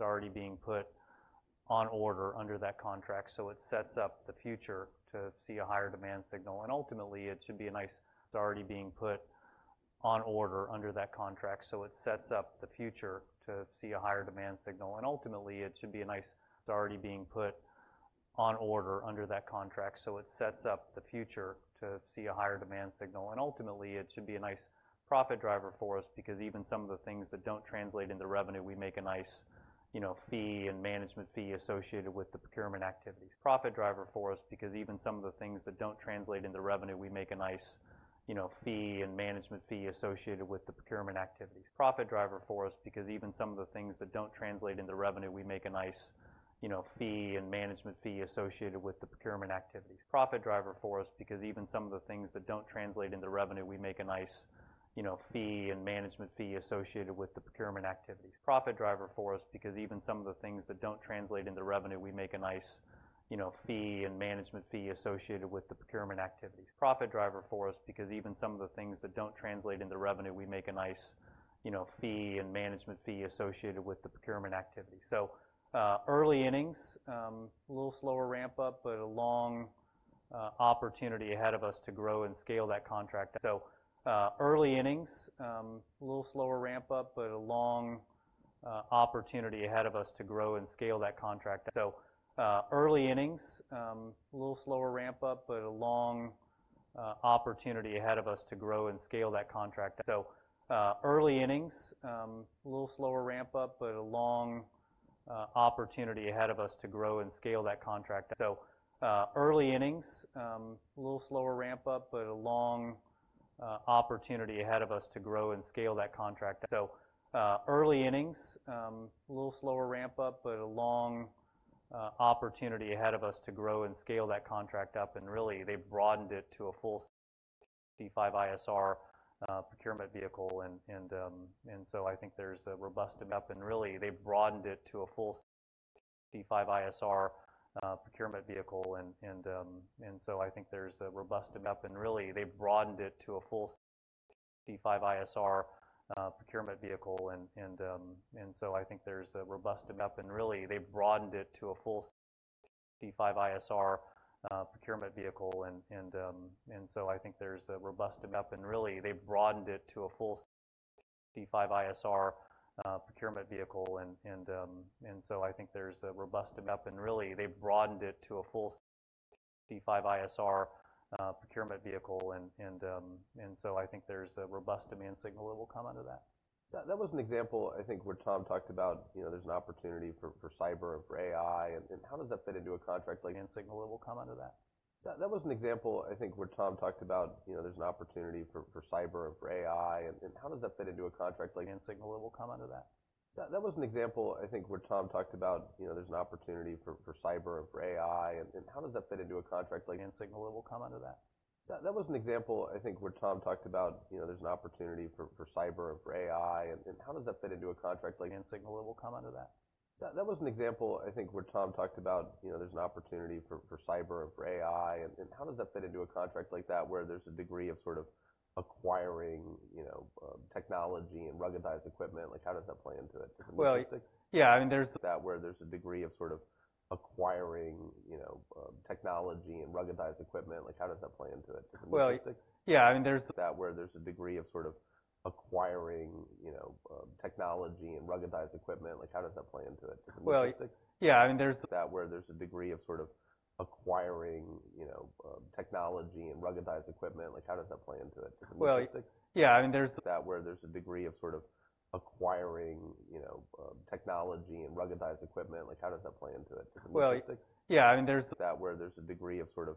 already being put on order under that contract, so it sets up the future to see a higher demand signal. And ultimately, it should be a nice profit driver for us because even some of the things that don't translate into revenue, we make a nice, you know, fee and management fee associated with the procurement activities. So, early innings, a little slower ramp up, but a long opportunity ahead of us to grow and scale that contract up. And really, they broadened it to a full C5ISR procurement vehicle and so I think there's a robust demand signal that will come out of that. That was an example, I think, where Tom talked about, you know, there's an opportunity for cyber or for AI, and how does that fit into a contract like that where there's a degree of sort of acquiring, you know, technology and ruggedized equipment? Like, how does that play into it? Well, yeah, I mean,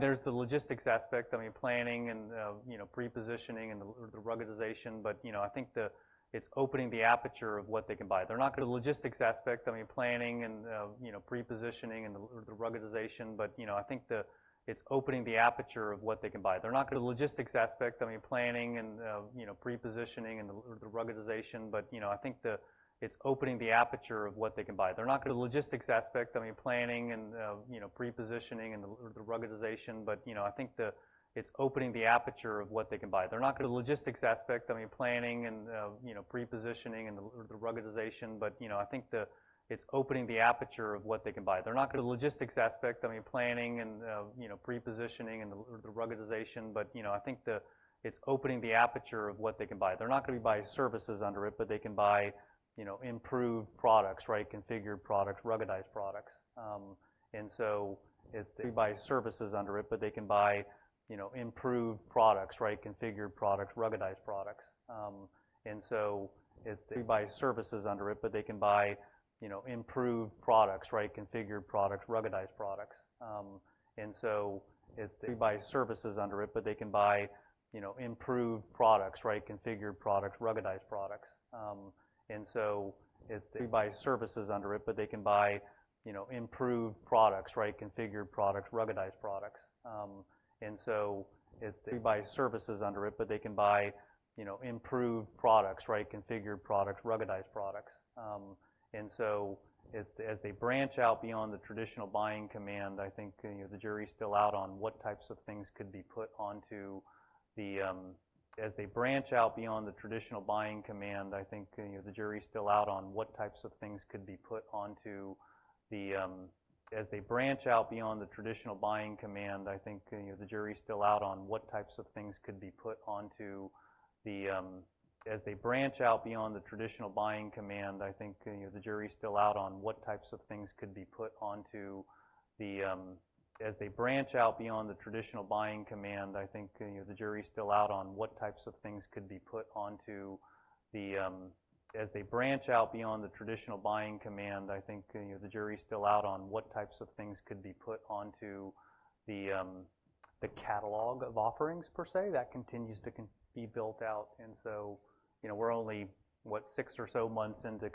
there's the logistics aspect. I mean, planning and, you know, pre-positioning and the, the ruggedization. But, you know, I think the-- It's opening the aperture of what they can buy. They're not going to buy services under it, but they can buy, you know, improved products, right? Configured products, ruggedized products. And so as they branch out beyond the traditional buying command, I think, you know, the jury is still out on what types of things could be put onto the, the catalog of offerings per se. That continues to be built out, and so, you know, we're only, what, six or so months into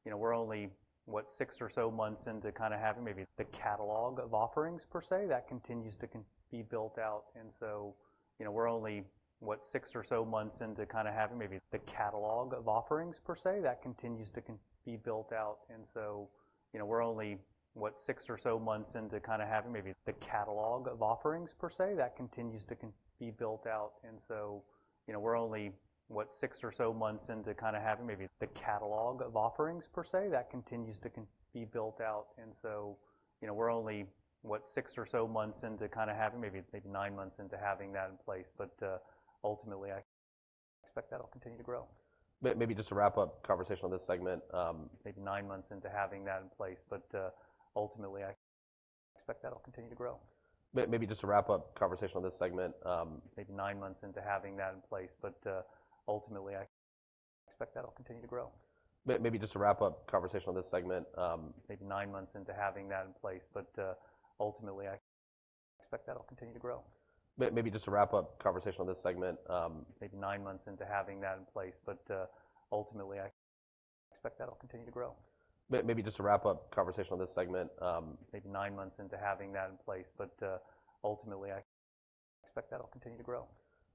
kinda having maybe nine months into having that in place. But ultimately, I expect that will continue to grow. Maybe just to wrap up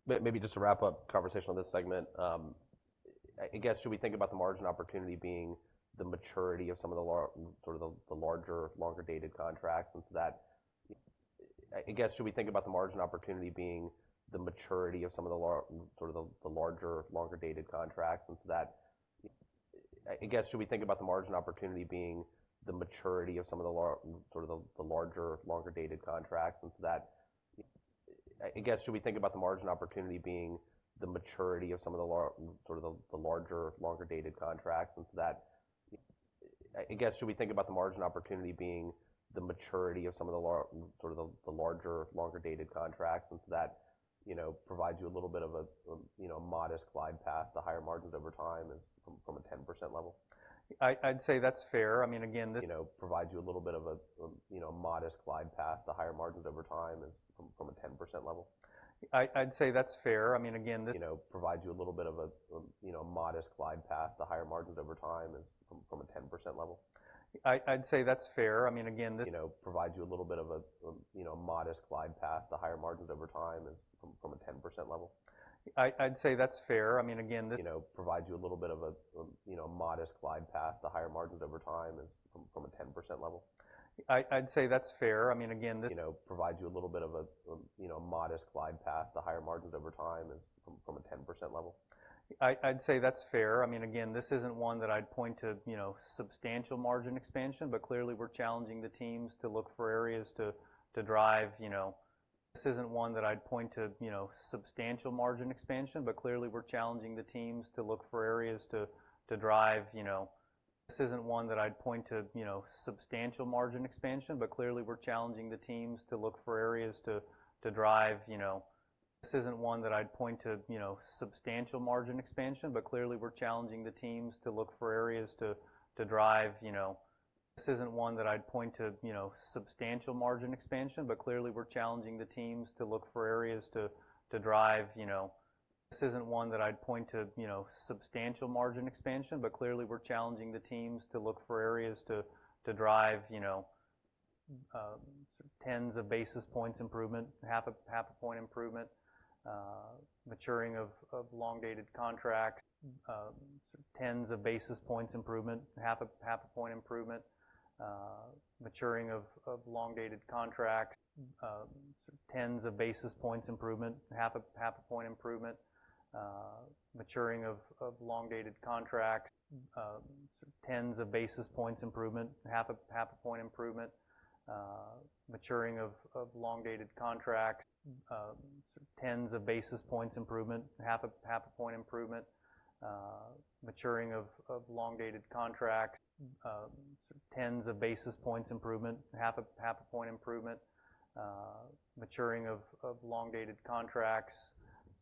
conversation on this segment, I guess, should we think about the margin opportunity being the maturity of some of the larger, sort of the larger, longer dated contracts, and so that, you know, provides you a little bit of a, you know, modest glide path to higher margins over time and from a 10% level? I'd say that's fair. I mean, again, this isn't one that I'd point to, you know, substantial margin expansion, but clearly we're challenging the teams to look for areas to drive, you know, 10s of basis points improvement, half a point improvement, maturing of long-dated contracts,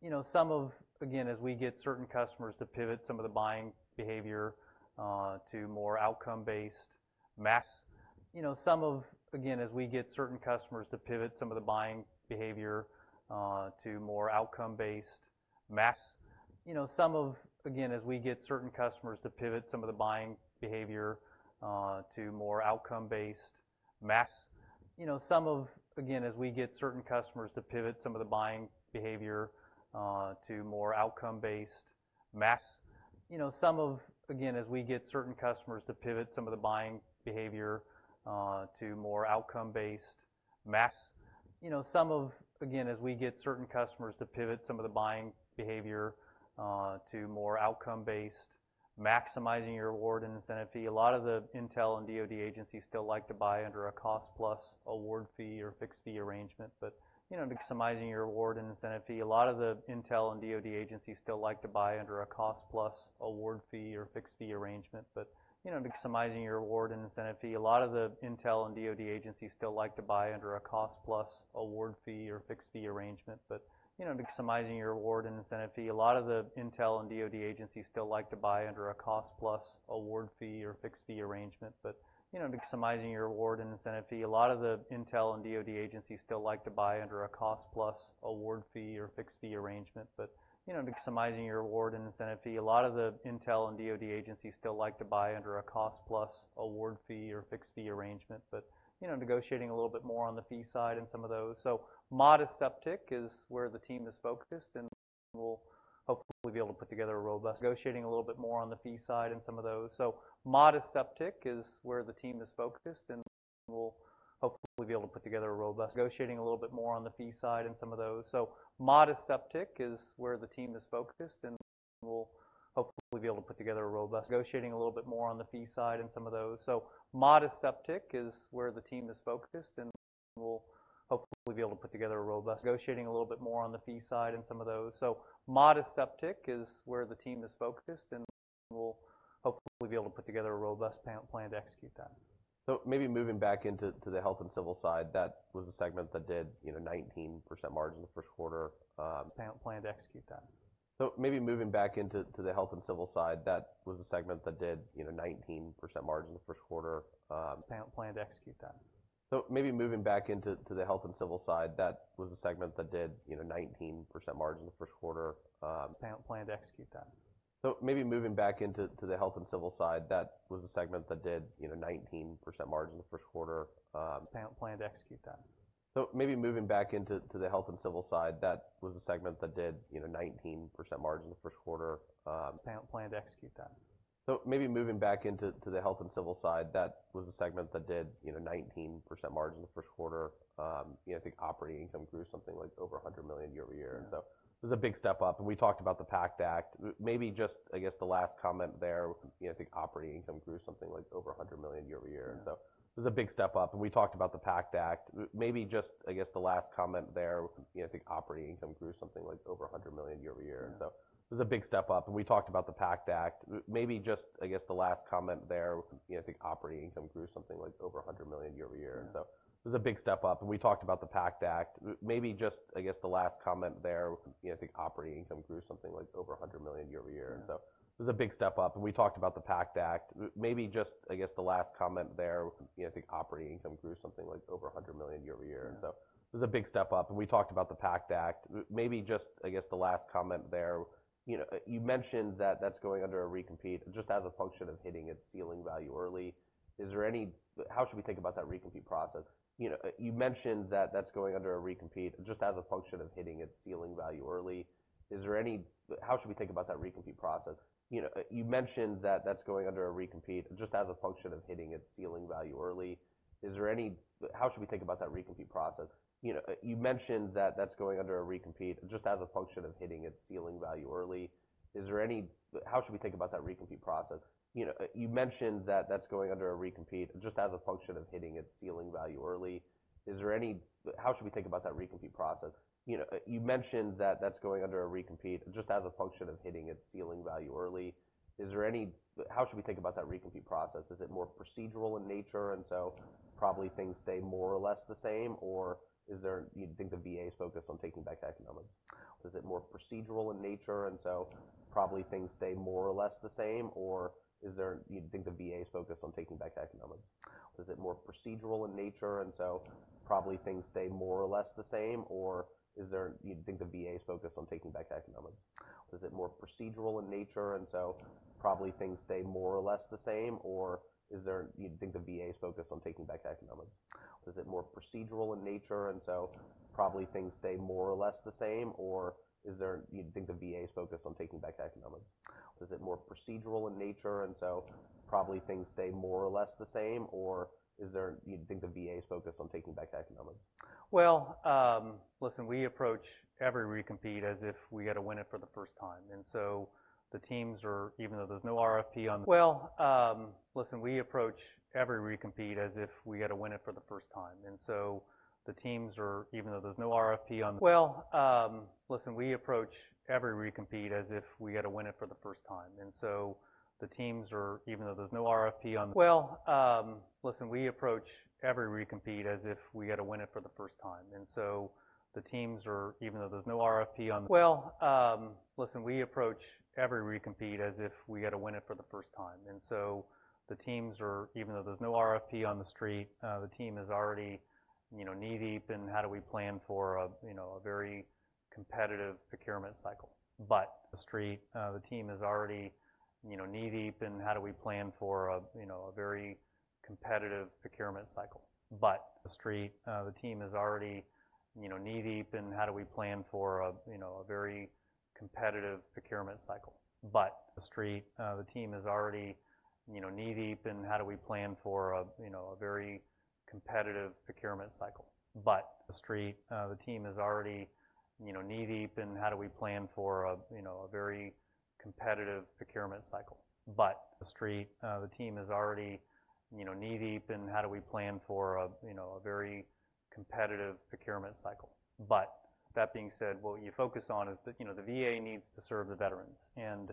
you know, again, as we get certain customers to pivot, a lot of the intel and DoD agencies still like to buy under a cost plus award fee or fixed fee arrangement, but, you know, maximizing your award and incentive fee. Negotiating a little bit more on the fee side and some of those. So modest uptick is where the team is focused, and then we'll hopefully be able to put together a robust plan to execute that. So maybe moving back into, to the Health & Civil side, that was a segment that did, you know, 19% margin in the first quarter. So maybe moving back into the Health & Civil side, that was a segment that did, you know, 19% margin in the first quarter. You know, I think operating income grew something like over $100 million year-over-year. Yeah. You mentioned that that's going under a recompete just as a function of hitting its ceiling value early. How should we think about that recompete process? Is it more procedural in nature and so probably things stay more or less the same, or is there... You'd think the VA is focused on taking back economics? Well, listen, we approach every recompete as if we got to win it for the first time, and so the teams are, even though there's no RFP on the street, the team is already, you know, knee-deep in how do we plan for a, you know, a very competitive procurement cycle. But that being said, what you focus on is the, you know, the VA needs to serve the veterans, and,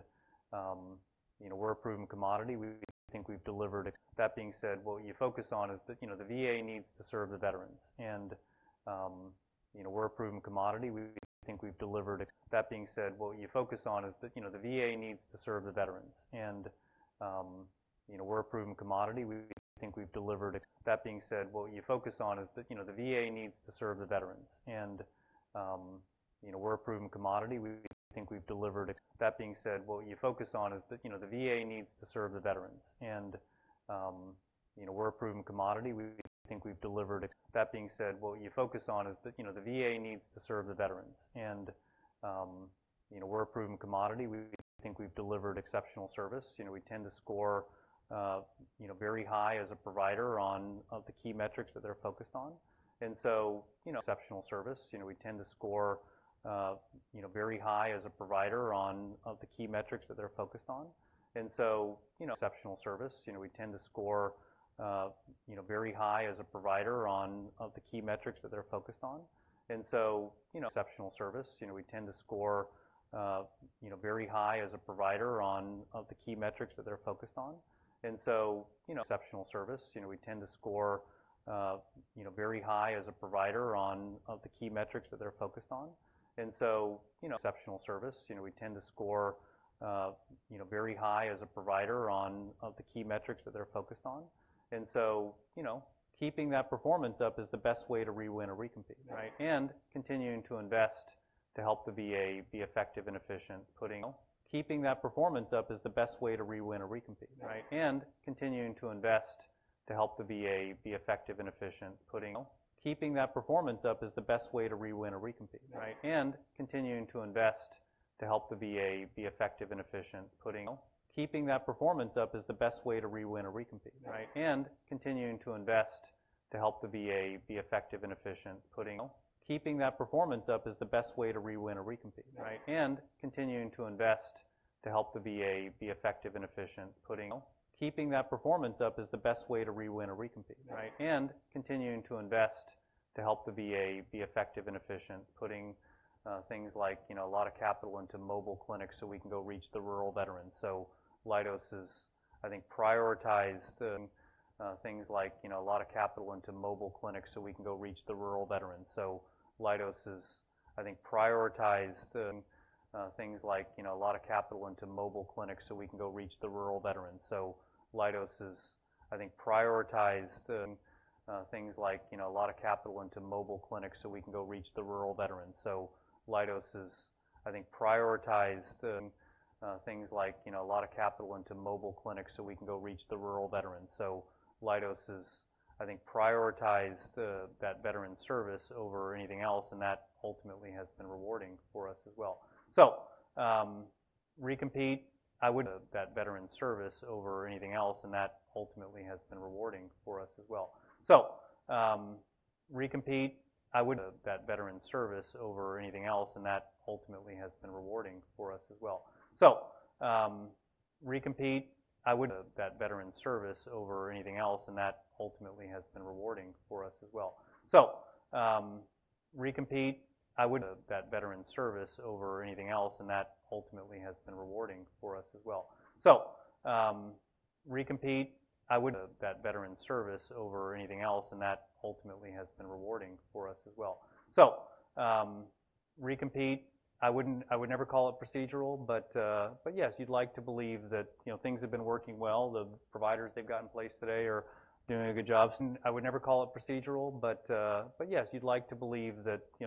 you know, we're a proven commodity. You know, we tend to score, you know, very high as a provider on one of the key metrics that they're focused on. And so, you know, exceptional service. And so, you know, keeping that performance up is the best way to re-win a recompete, right? And continuing to invest to help the VA be effective and efficient and continuing to invest to help the VA be effective and efficient, putting things like, you know, a lot of capital into mobile clinics so we can go reach the rural veterans. So Leidos has, I think, prioritized that veteran service over anything else, and that ultimately has been rewarding for us as well. So, re-compete, I wouldn't. I would never call it procedural, but, but yes, you'd like to believe that, you know, things have been working well. The providers they've got in place today are doing a good job. So I would never call it procedural, but, but yes, you'd like to believe that, you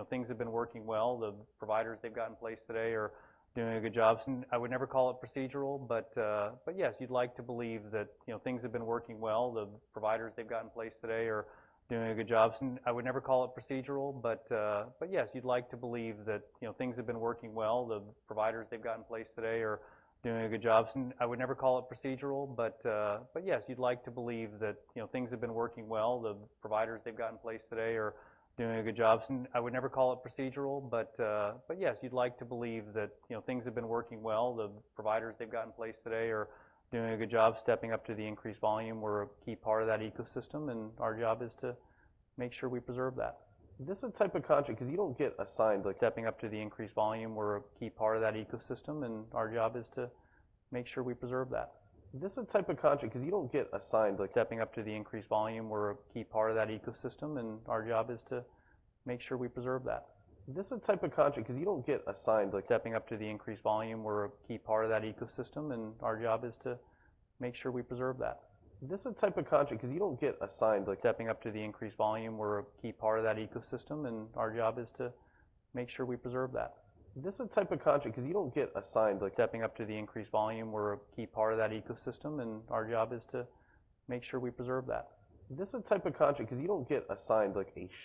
know, things have been working well. The providers they've got in place today are doing a good job, stepping up to the increased volume. We're a key part of that ecosystem, and our job is to make sure we preserve that. This is the type of contract because you don't get assigned, like, a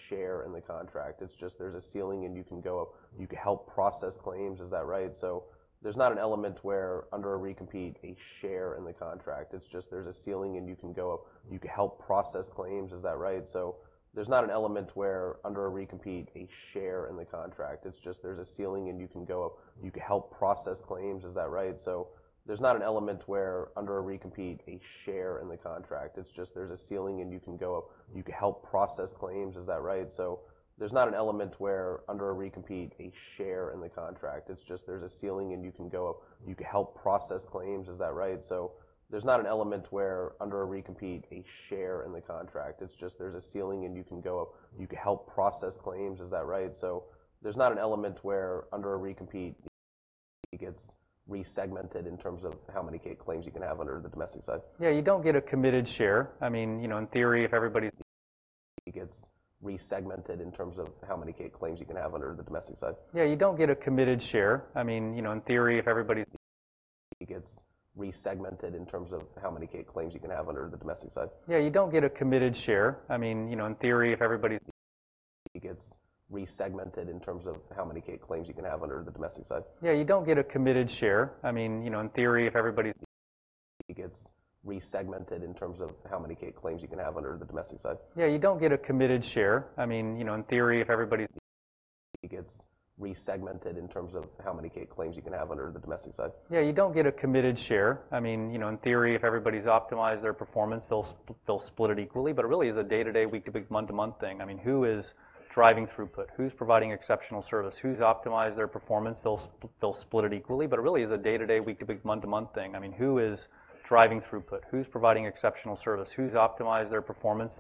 share in the contract. It's just there's a ceiling, and you can go up. You can help process claims, is that right? So there's not an element where under a re-compete gets resegmented in terms of how many claims you can have under the domestic side. Yeah, you don't get a committed share. I mean, you know, in theory, if everybody's optimized their performance,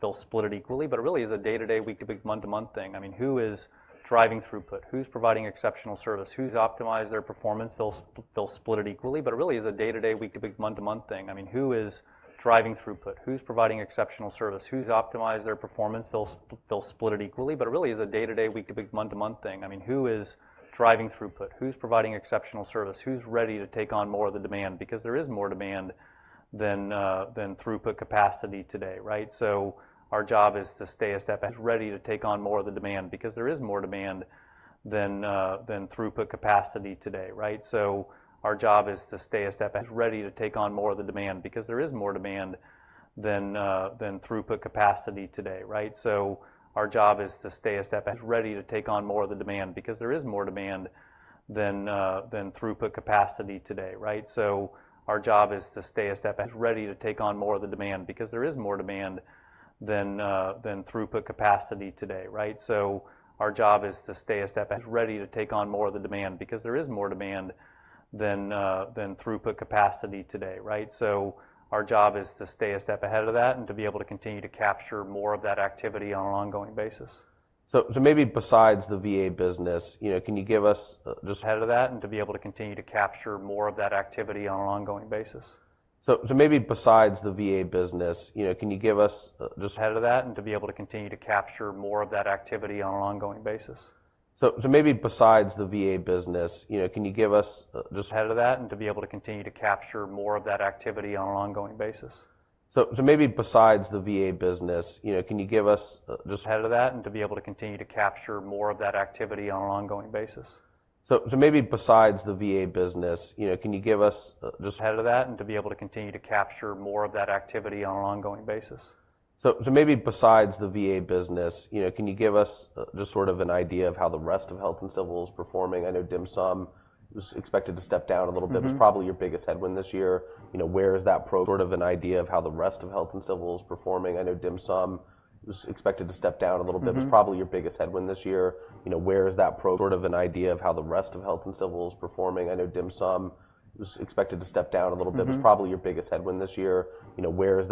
they'll split it equally. But it really is a day-to-day, week-to-week, month-to-month thing. I mean, who is driving throughput? Who's providing exceptional service? Who's optimized their performance? Who's ready to take on more of the demand? Because there is more demand than throughput capacity today, right? So our job is to stay a step ahead of that and to be able to continue to capture more of that activity on an ongoing basis. So, maybe besides the VA business, you know, can you give us just sort of an idea of how the rest of Health & Civil is performing? I know DHMSM was expected to step down a little bit. Mm-hmm. It was probably your biggest headwind this year. You know, where is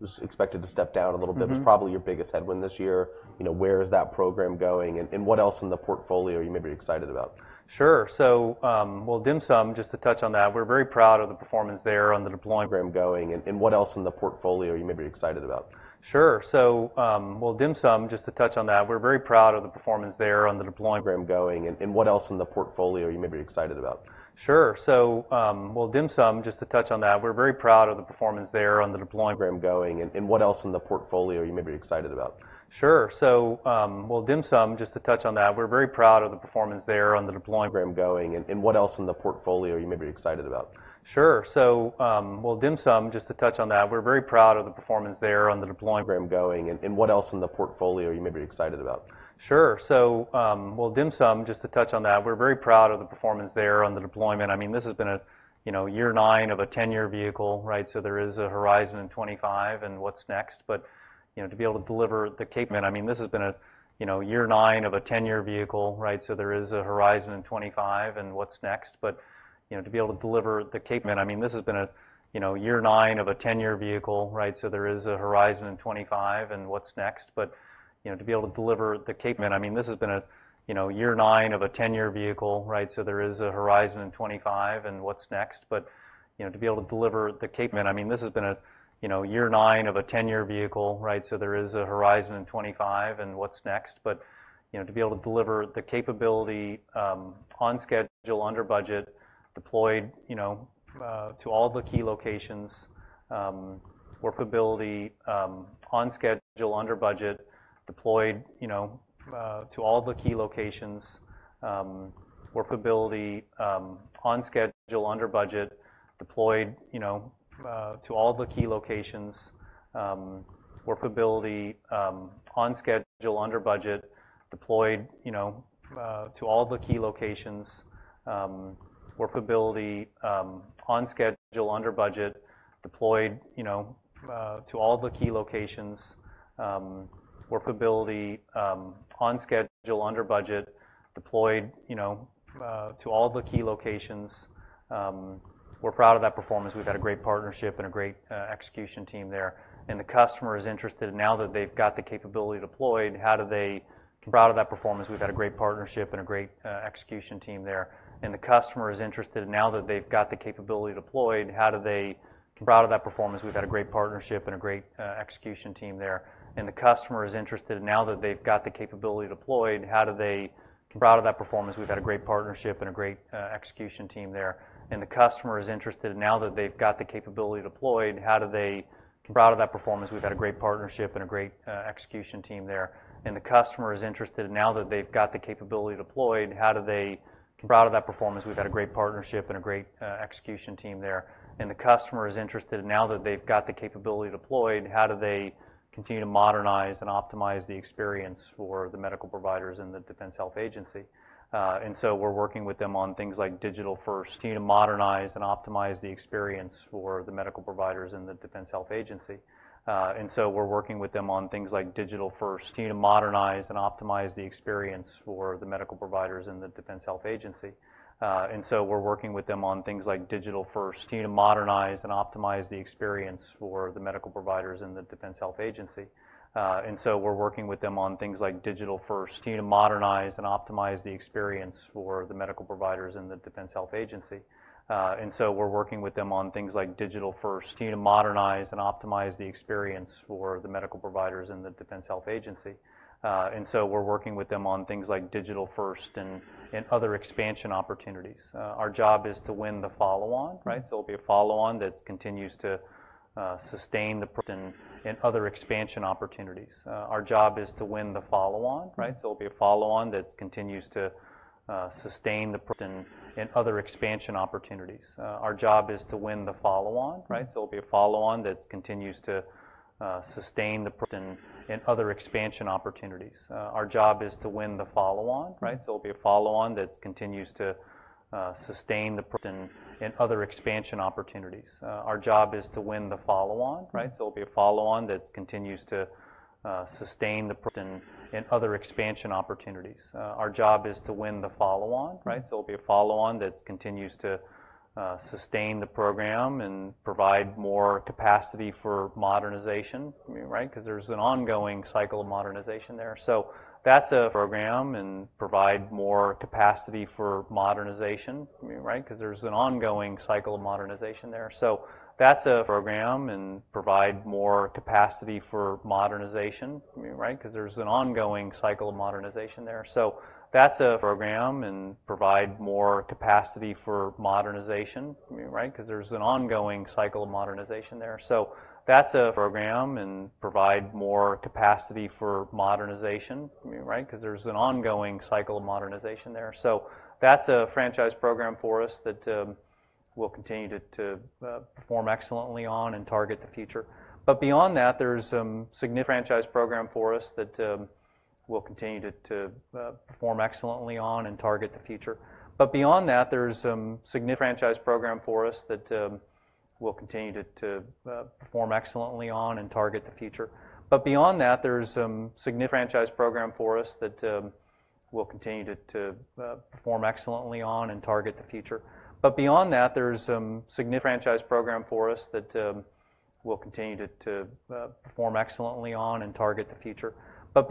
that program going, and what else in the portfolio are you maybe excited about? Sure. So, well, DHMSM, just to touch on that, we're very proud of the performance there on the deployment. I mean, this has been a, you know, year nine of a 10-year vehicle, right? So there is a horizon in 2025 and what's next. But, you know, to be able to deliver the capability on schedule, under budget, deployed, you know, to all the key locations, workability. We're proud of that performance. We've had a great partnership and a great execution team there. And the customer is interested, now that they've got the capability deployed, how do they continue to modernize and optimize the experience for the medical providers in the Defense Health Agency? And so we're working with them on things like digital first and other expansion opportunities. Our job is to win the follow-on, right? But beyond that, there's some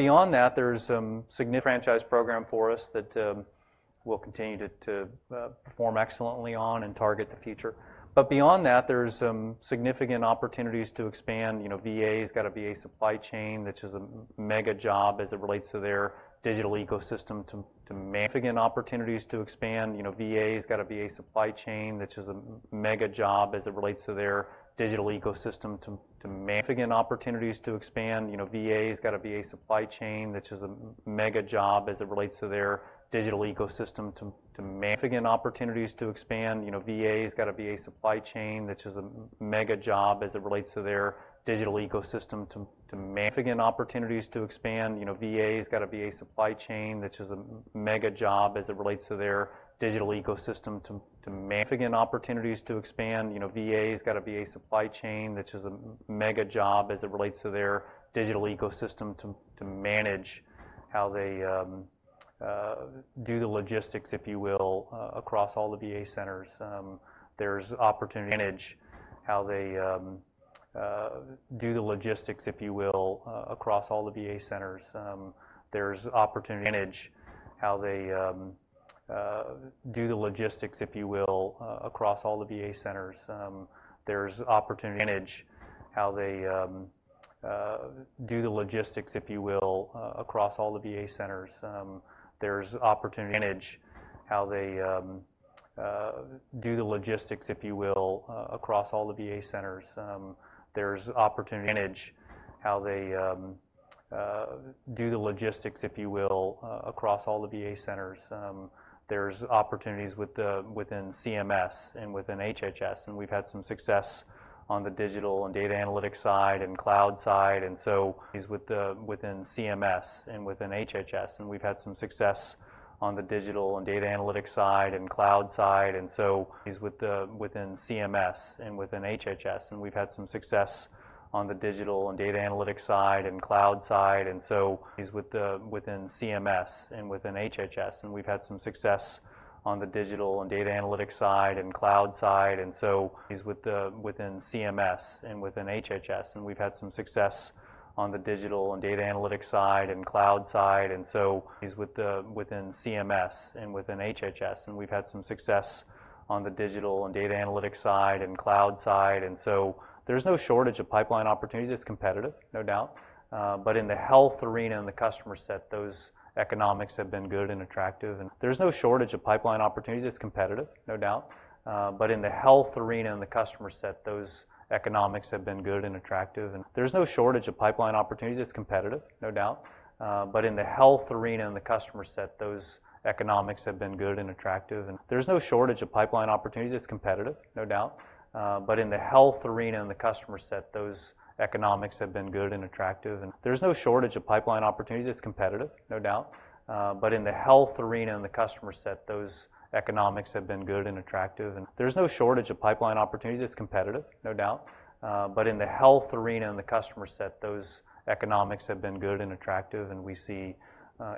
significant opportunities to expand. You know, VA has got a VA supply chain, which is a mega job as it relates to their digital ecosystem to manage how they do the logistics, if you will, across all the VA centers. There's opportunities within CMS and within HHS, and we've had some success on the digital and data analytics side and cloud side. And so there's no shortage of pipeline opportunity that's competitive, no doubt, but in the health arena and the customer set, those economics have been good and attractive. And we see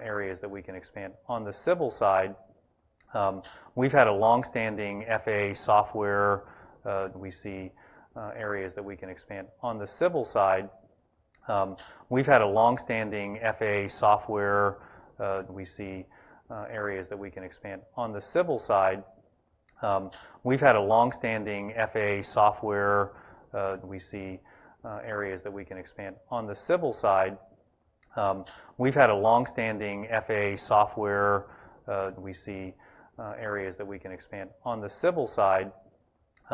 areas that we can expand. On the civil side, we've had a longstanding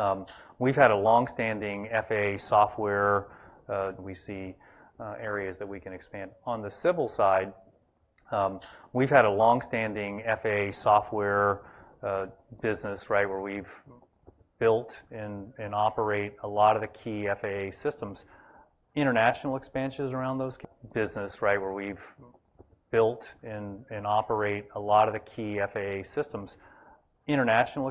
FAA software business, right? Where we've built and operate a lot of the key FAA systems. International expansions around those capabilities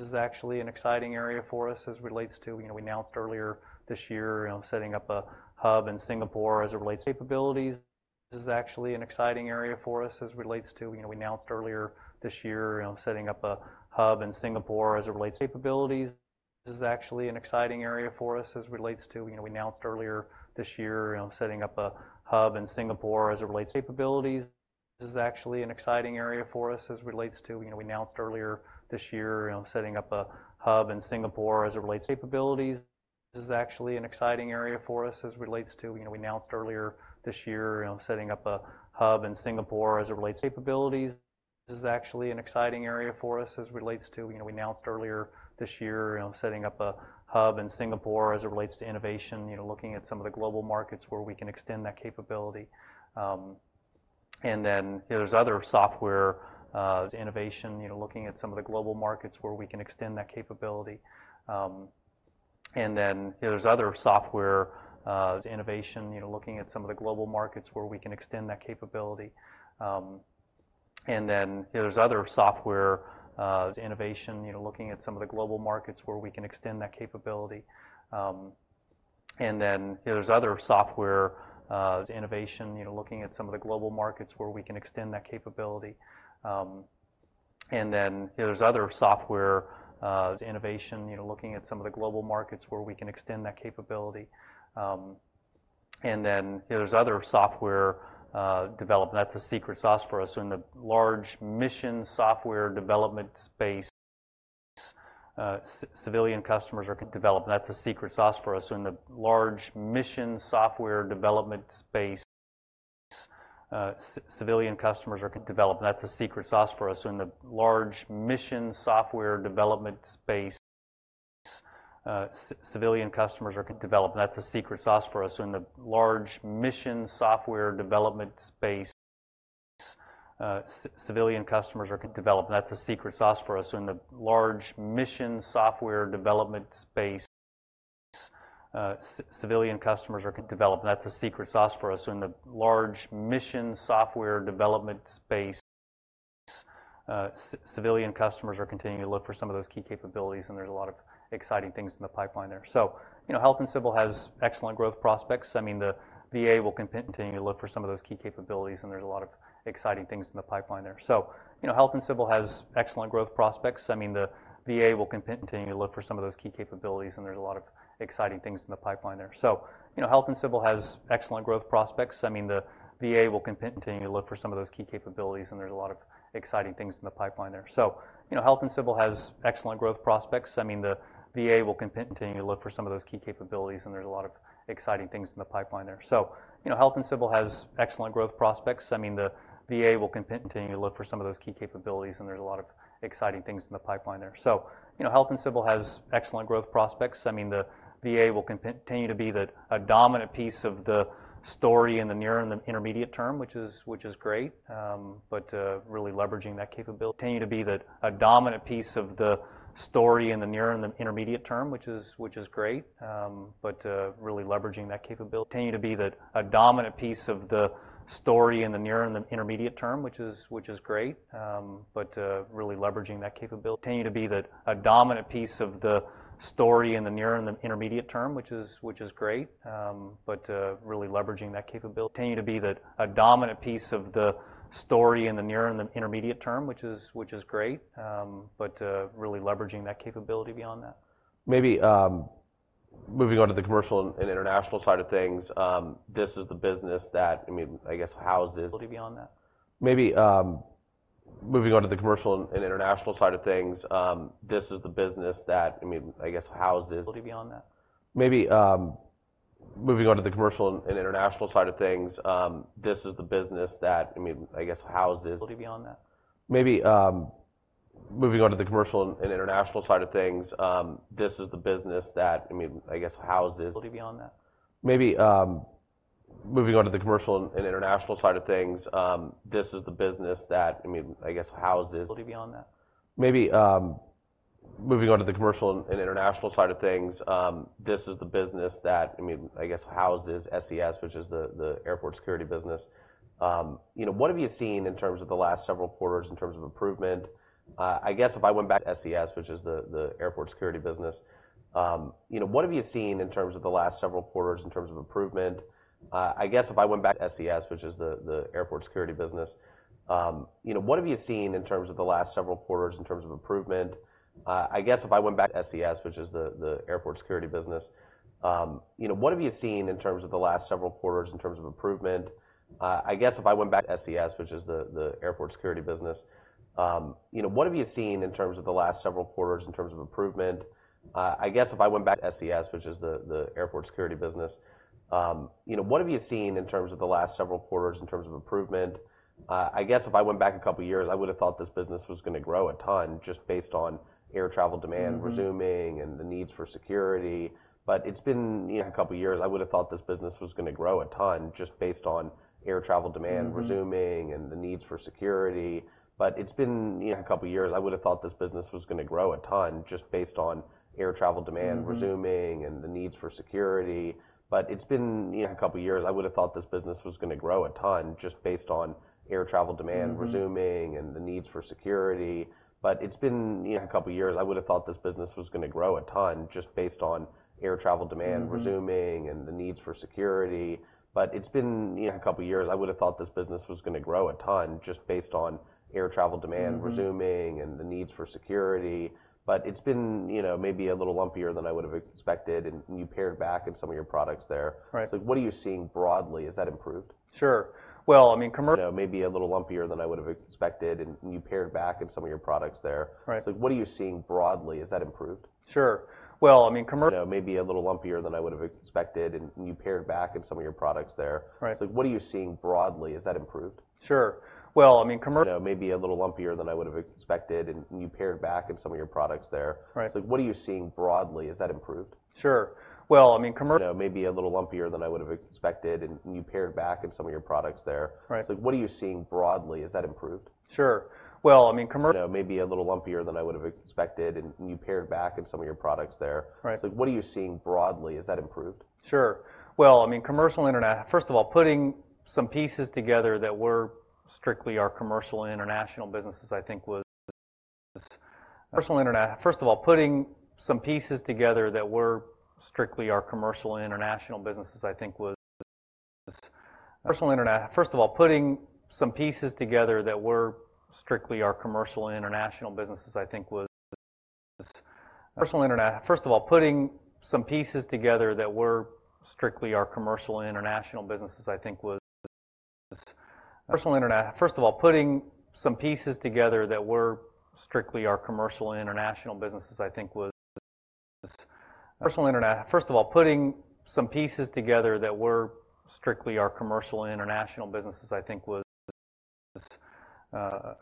is actually an exciting area for us as it relates to, you know, we announced earlier this year, you know, setting up a hub in Singapore as it relates to innovation, you know, looking at some of the global markets where we can extend that capability. And then, you know, there's other software development that's a secret sauce for us in the large mission software development space. Civilian customers are continuing to look for some of those key capabilities, and there's a lot of exciting things in the pipeline there. So, you know, Health & Civil has excellent growth prospects. I mean, the VA will continue to be a dominant piece of the story in the near and the intermediate term, which is great, but really leveraging that capability beyond that. Maybe, moving on to the commercial and international side of things, this is the business that, I mean, I guess houses SES, which is the, the airport security business. You know, what have you seen in terms of the last several quarters in terms of improvement? I guess if I went back a couple of years, I would have thought this business was gonna grow a ton just based on air travel demand. Mm-hmm. Resuming and the needs for security. But it's been, yeah, a couple of years, I would have thought this business was gonna grow a ton just based on air travel demand, resuming and the needs for security. But it's been, you know, maybe a little lumpier than I would have expected, and you pared back in some of your products there. Right. So what are you seeing broadly? Has that improved? Sure. Well, I mean, commercial, international, first of all, putting some pieces together that were strictly our commercial and international businesses, I think was I think was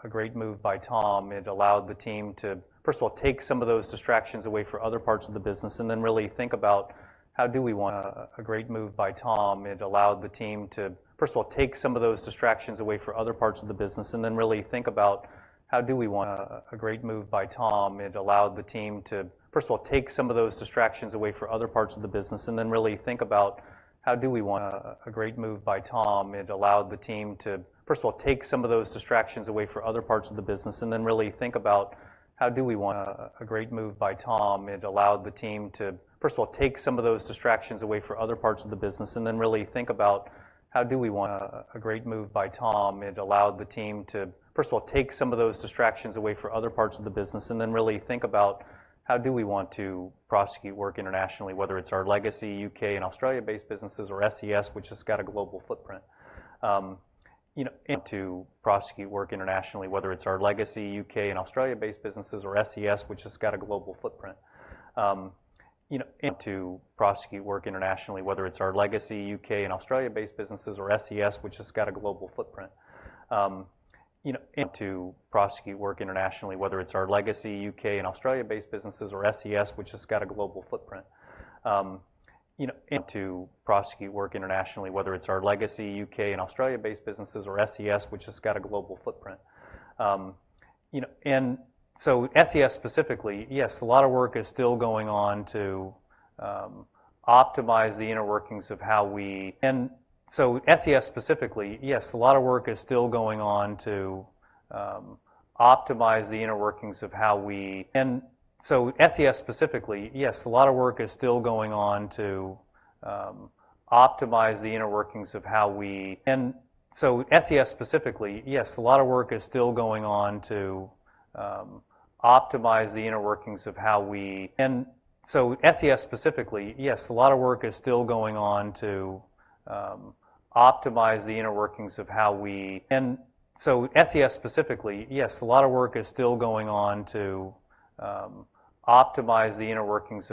a great move by Tom. It allowed the team to, first of all, take some of those distractions away from other parts of the business and then really think about how do we want to prosecute work internationally, whether it's our legacy U.K. and Australia-based businesses or SES, which has got a global footprint. You know, so SES specifically, yes, a lot of work is still going on to optimize the inner workings of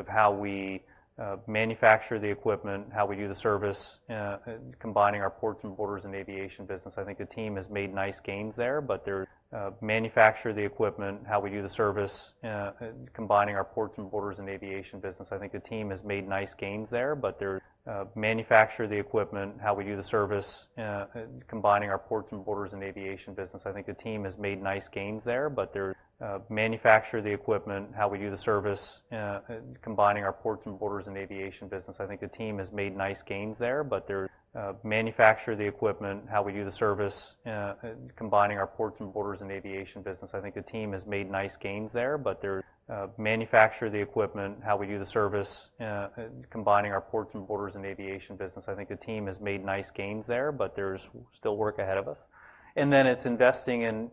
how we manufacture the equipment, how we do the service, combining our ports and borders and aviation business. I think the team has made nice gains there, but they're manufacturing the equipment, how we do the service, combining our ports and borders and aviation business. I think the team has made nice gains there, but there's still work ahead of us. And then it's investing in,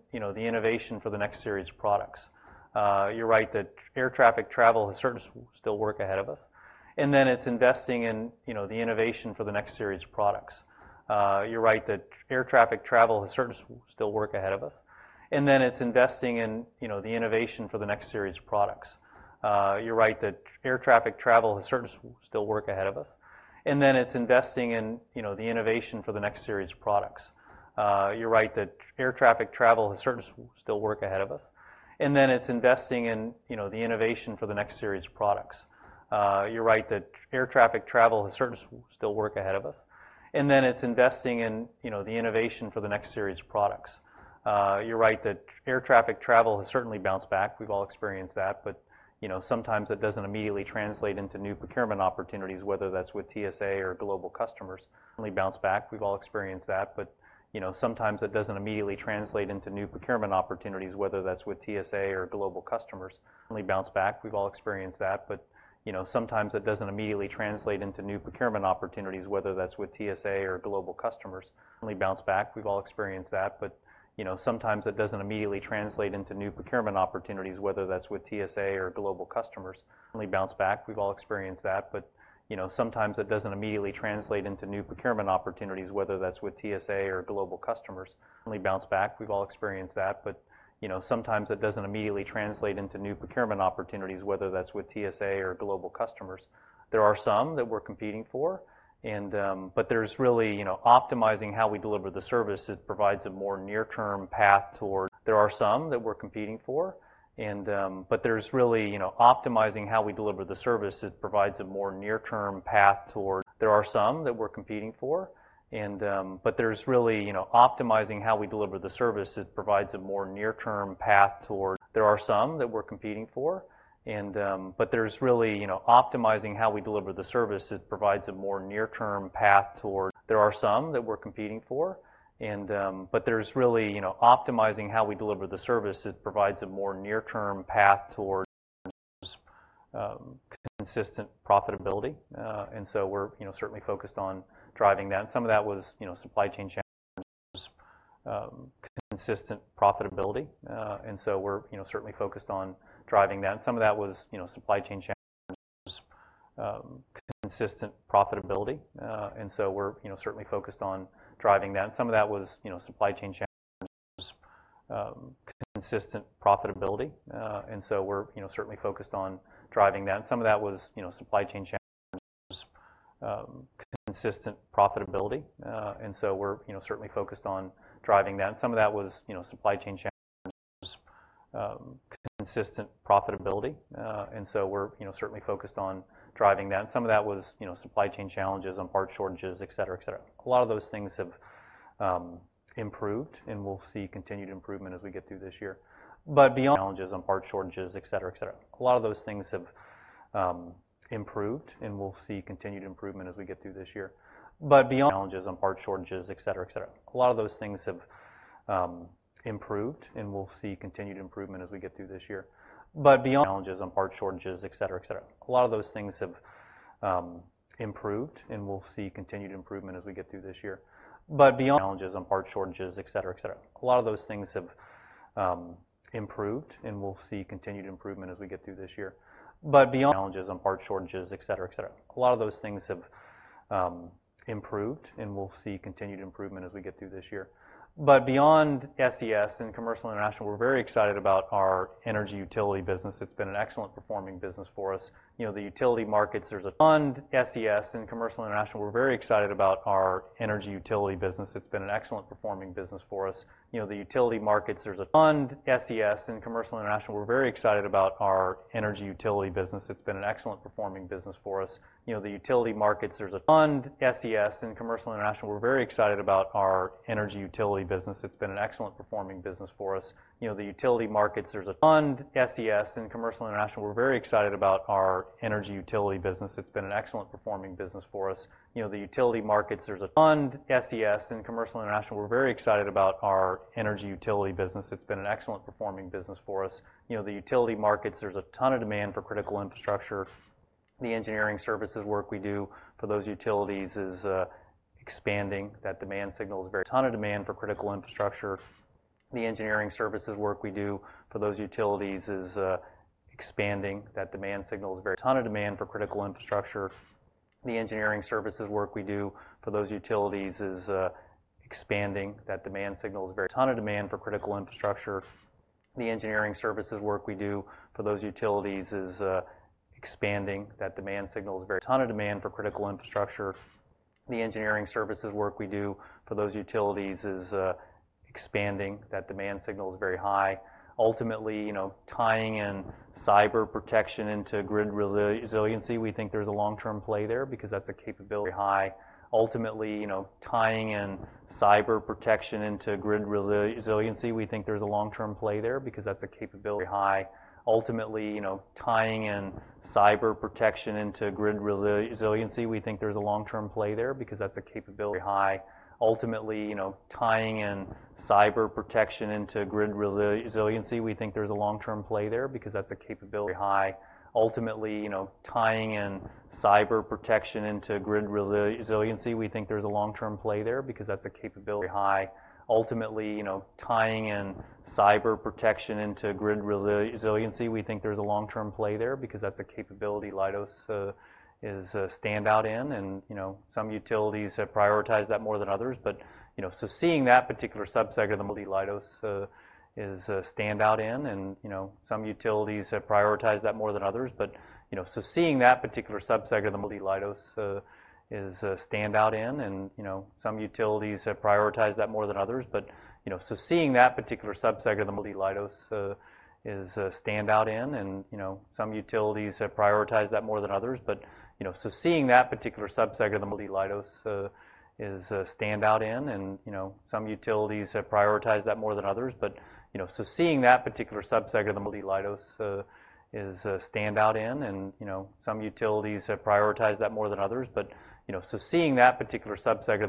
you know, the innovation for the next series of products. You're right that air traffic travel has certainly bounced back. We've all experienced that, but, you know, sometimes it doesn't immediately translate into new procurement opportunities, whether that's with TSA or global customers. Only bounce back, we've all experienced that, but, you know, sometimes it doesn't immediately translate into new procurement opportunities, whether that's with TSA or global customers. There are some that we're competing for, and, but there's really, you know, optimizing how we deliver the service. It provides a more near-term path toward consistent profitability. And so we're, you know, certainly focused on driving that. And some of that was, you know, supply chain challenges, consistent profitability and part shortages, et cetera, et cetera. A lot of those things have improved, and we'll see continued improvement as we get through this year. But beyond SES and Commercial International, we're very excited about our energy utility business. It's been an excellent performing business for us. You know, the utility markets, there's a ton of demand for critical infrastructure. The engineering services work we do for those utilities is expanding. That demand signal is very high. Ultimately, you know, tying in cyber protection into grid resiliency, we think there's a long-term play there because that's a capability Leidos stands out in, and, you know, some utilities have prioritized that more than others. But, you know, so seeing that particular subsector of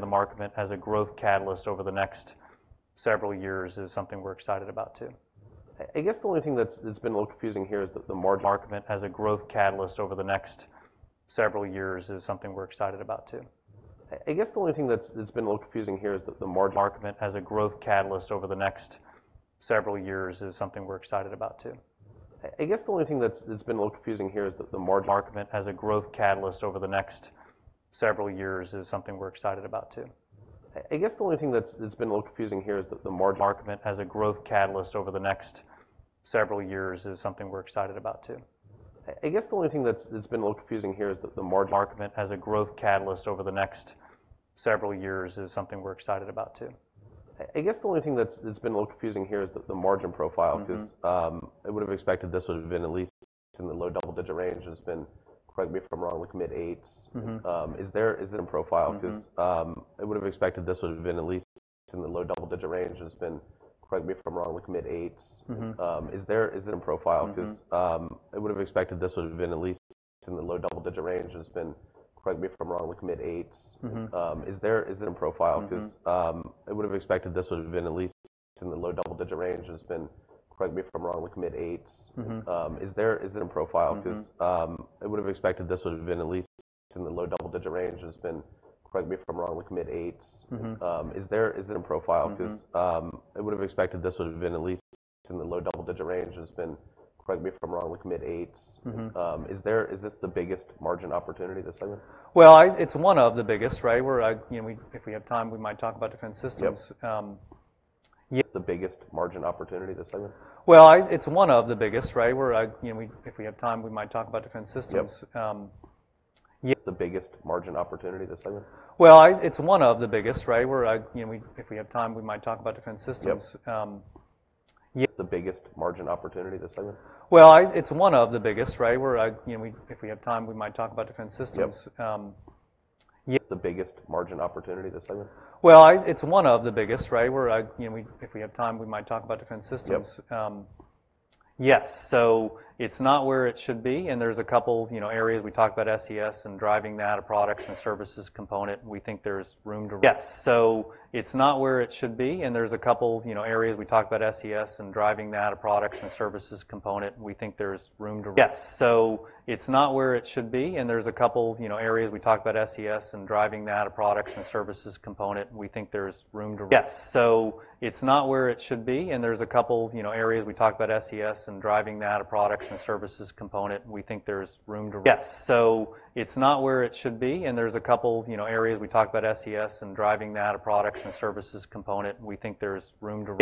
the market as a growth catalyst over the next several years is something we're excited about too. I guess the only thing that's been a little confusing here is that the margin profile- Mm-hmm. 'Cause, I would have expected this would have been at least in the low double-digit range, it's been, correct me if I'm wrong, like mid eights. Mm-hmm. Is there, is it a profile? Mm-hmm. Is this the biggest margin opportunity this year? Well, it's one of the biggest, right? Where, you know, if we have time, we might talk about different systems. Yep. Um, yes. So it's not where it should be, and there's a couple, you know, areas we talked about SES and driving that, a products and services component, and we think there's room to run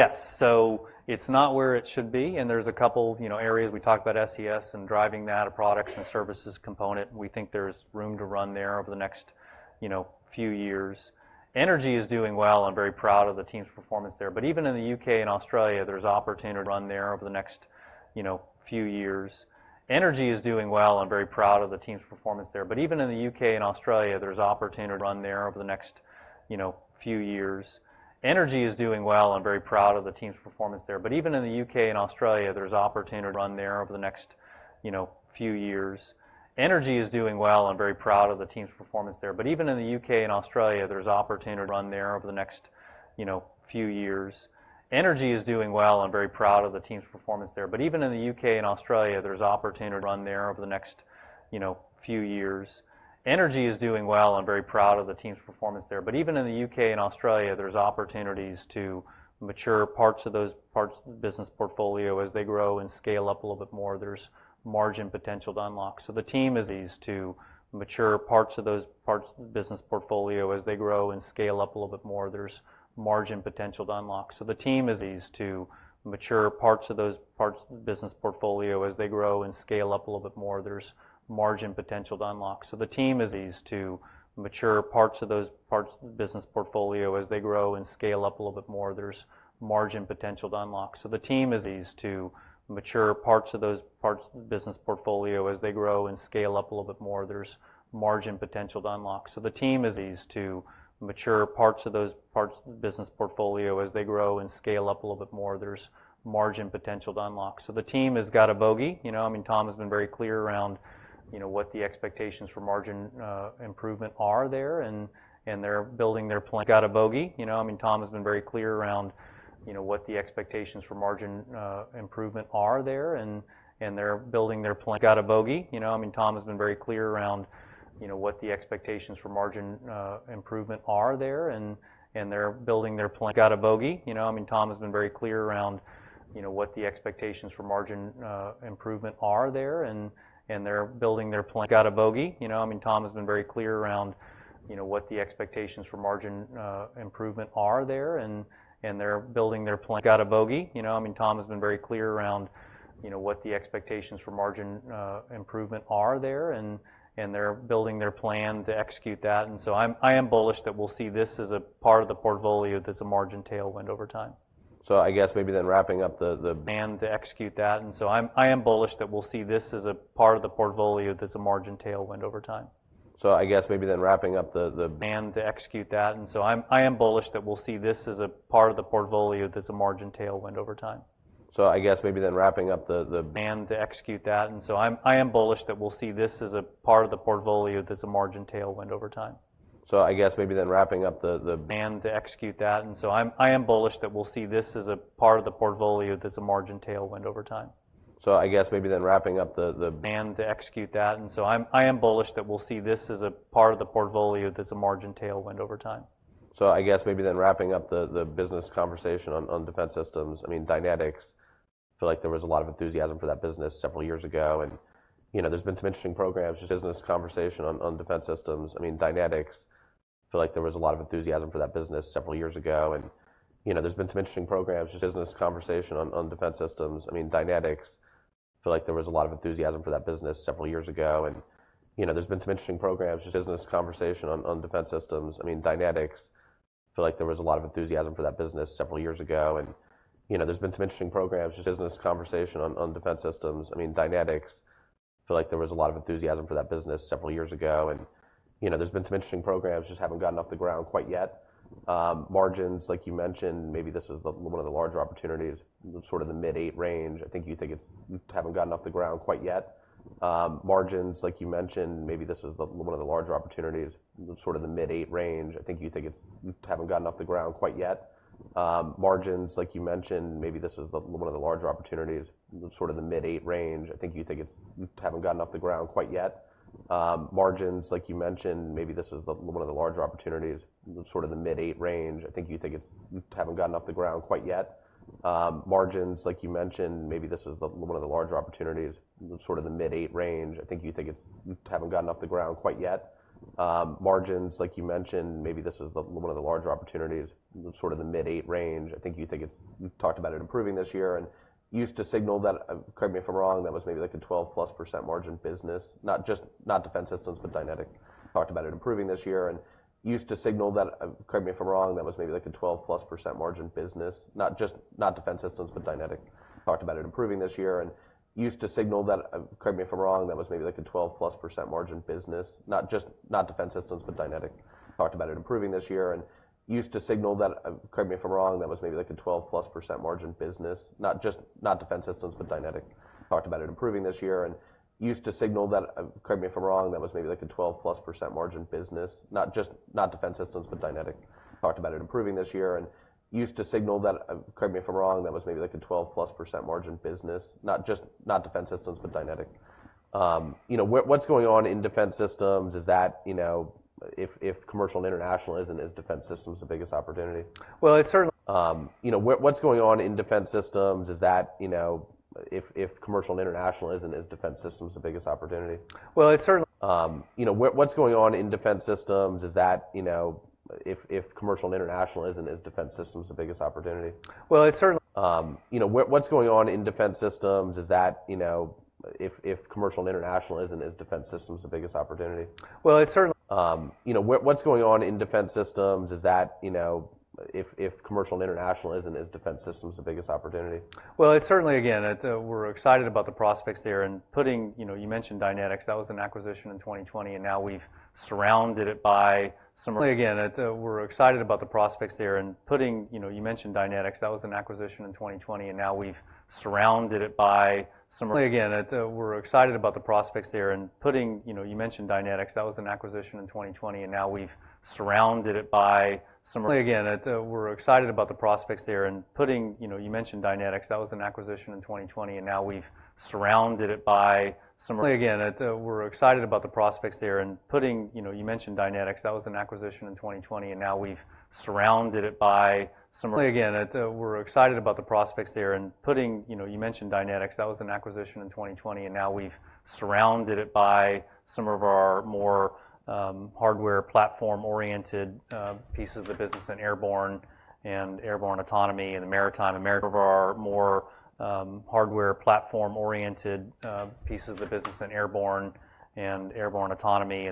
there over the next, you know, few years. Energy is doing well. I'm very proud of the team's performance there. But even in the U.K. and Australia, there's opportunity to mature parts of those parts of the business portfolio as they grow and scale up a little bit more. There's margin potential to unlock. So the team has got a bogey. You know, I mean, Tom has been very clear around, you know, what the expectations for margin improvement are there, and they're building their plan to execute that. And so I am bullish that we'll see this as a part of the portfolio that's a margin tailwind over time. So I guess maybe then wrapping up the business conversation on defense systems, I mean, Dynetics, I feel like there was a lot of enthusiasm for that business several years ago, and, you know, there's been some interesting programs just haven't gotten off the ground quite yet. Margins, like you mentioned, maybe this is the one of the larger opportunities, sort of the mid-eight range. You talked about it improving this year and used to signal that, correct me if I'm wrong, that was maybe like a 12%+ margin business, not just defense systems, but Dynetics. You know, what, what's going on in defense systems? Is that, you know, if, if commercial and international isn't, is defense systems the biggest opportunity? Well, it certainly, again, we're excited about the prospects there. You know, you mentioned Dynetics. That was an acquisition in 2020, and now we've surrounded it by some of our more hardware platform-oriented pieces of business in airborne and airborne autonomy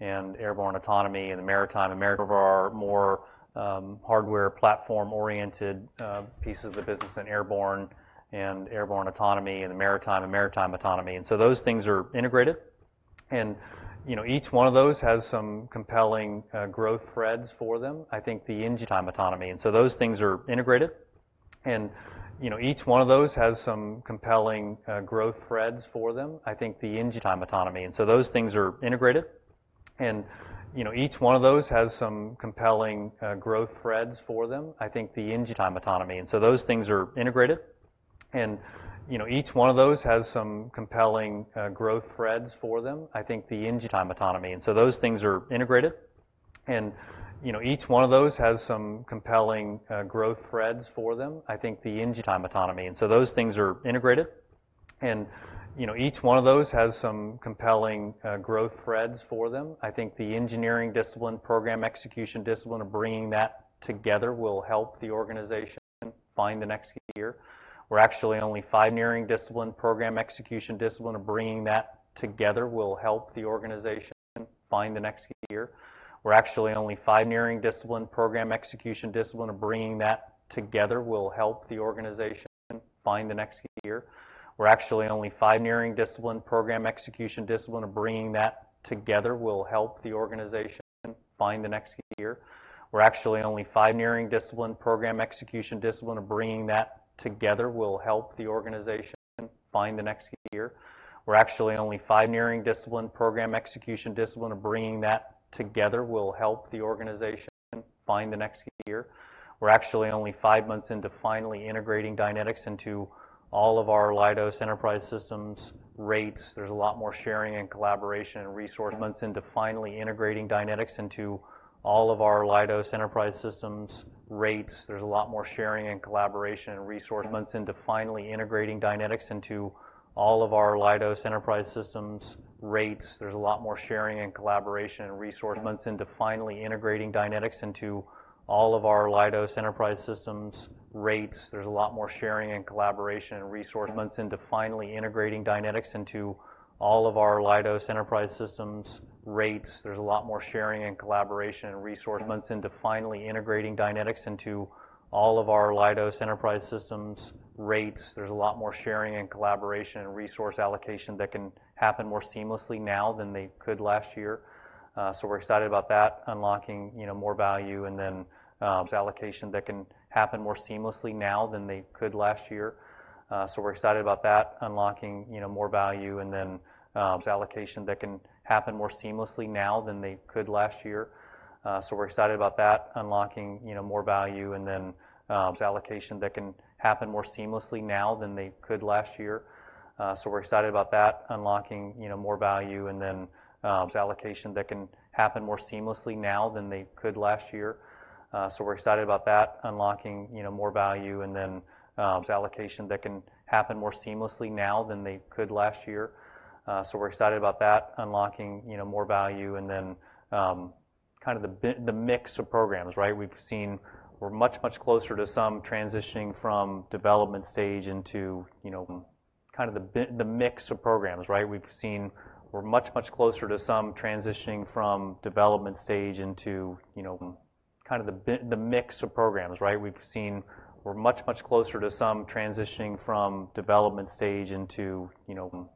and maritime and maritime autonomy. And so those things are integrated, and, you know, each one of those has some compelling growth threads for them. I think the engineering discipline, program execution discipline, of bringing that together will help the organization find the next year. We're actually only five months into finally integrating Dynetics into all of our Leidos enterprise systems rates. There's a lot more sharing and collaboration and resource allocation that can happen more seamlessly now than they could last year. Kind of the big mix of programs, right? We've seen we're much, much closer to some transitioning from development stage into, you know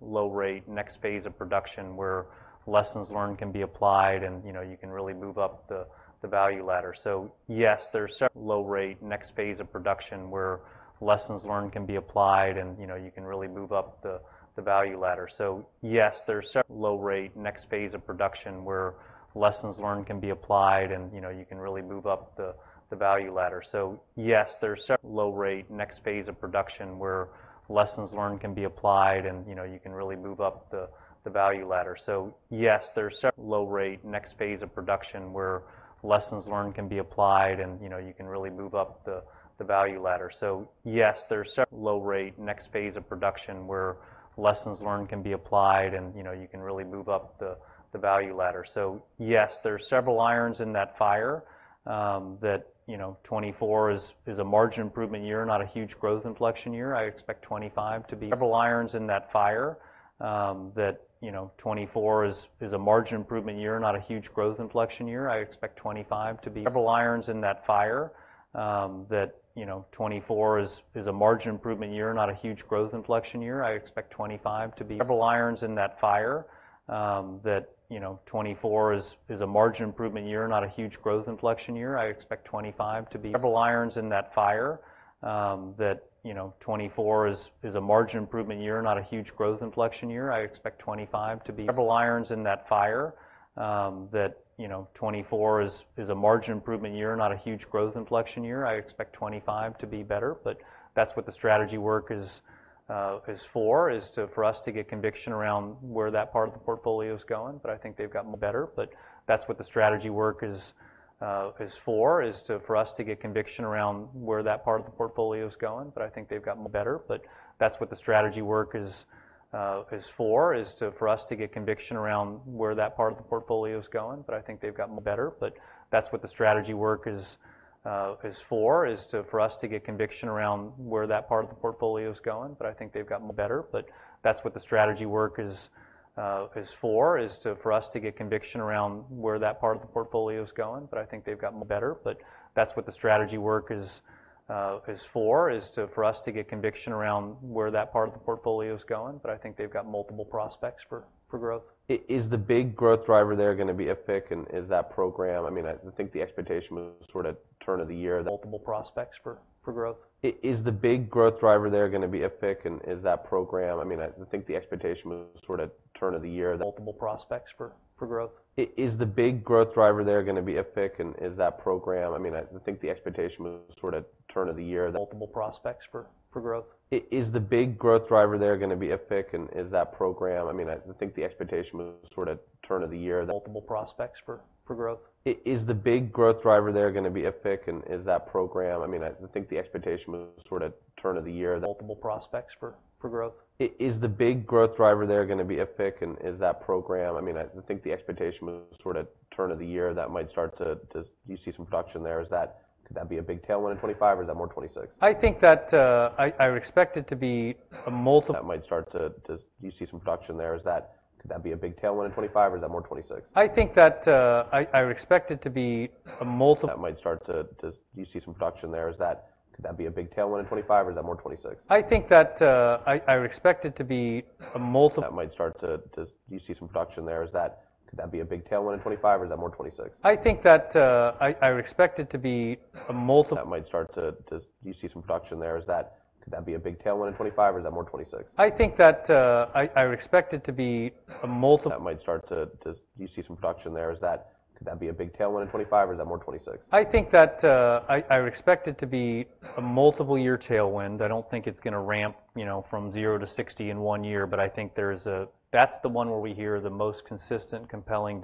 low rate next phase of production, where lessons learned can be applied and, you know, you can really move up the value ladder. So yes, there are several irons in that fire, that, you know, 2024 is a margin improvement year, not a huge growth inflection year. I expect 2025 to be better. But that's what the strategy work is for, to get conviction around where that part of the portfolio is going. But I think they've gotten better, but that's what the strategy work is for us to get conviction around where that part of the portfolio is going. But I think they've got multiple prospects for growth. Is the big growth driver there gonna be IFPC and is that program... I mean, I think the expectation was sort of turn of the year, that might start to you see some production there. Could that be a big tailwind in 2025 or is that more 2026? I think that I would expect it to be a multiple-year tailwind. I don't think it's gonna ramp, you know, from zero to 60 in one year, but I think that's the one where we hear the most consistent, compelling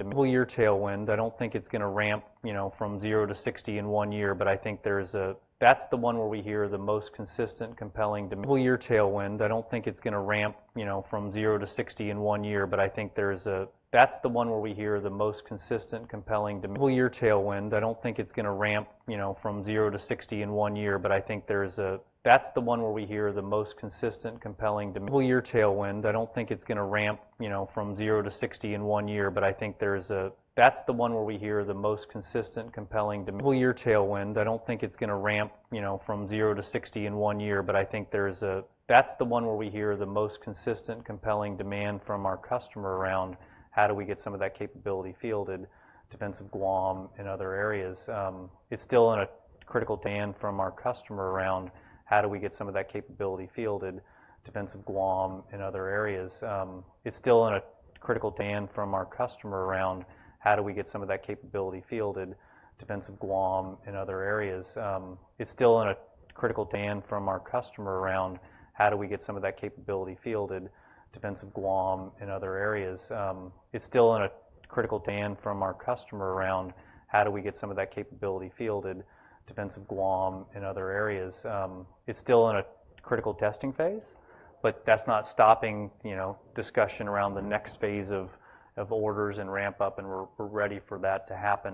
demand from our customer around how do we get some of that capability fielded, defense of Guam and other areas. It's still in a critical testing phase, but that's not stopping, you know, discussion around the next phase of orders and ramp up, and we're ready for that to happen.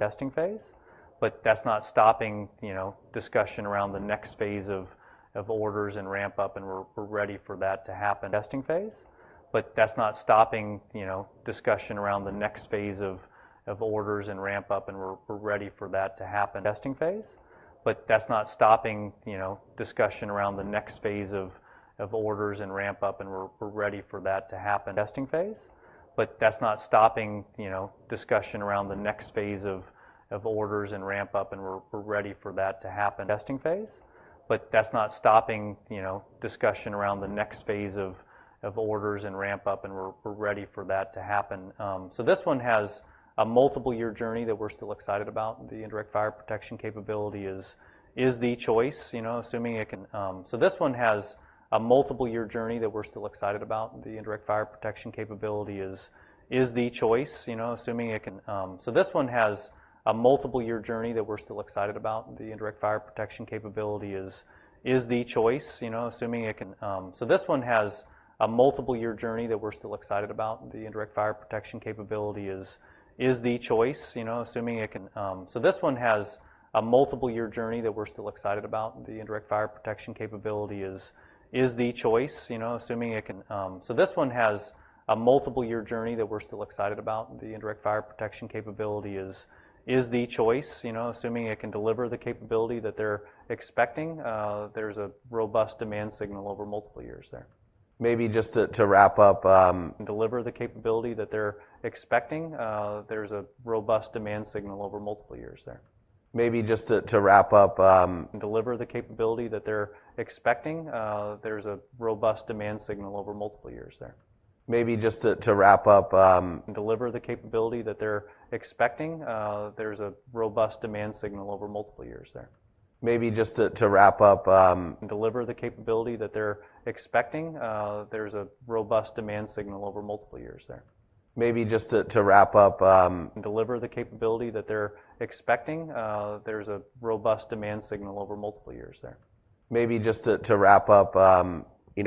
So this one has a multiple year journey that we're still excited about. The Indirect Fire Protection Capability is the choice, you know, assuming it can deliver the capability that they're expecting. There's a robust demand signal over multiple years there. Maybe just to wrap up, you know,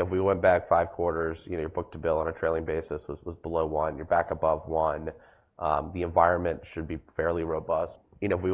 we went back five quarters. You know, your book-to-bill on a trailing basis was below one. You're back above one. The environment should be fairly robust within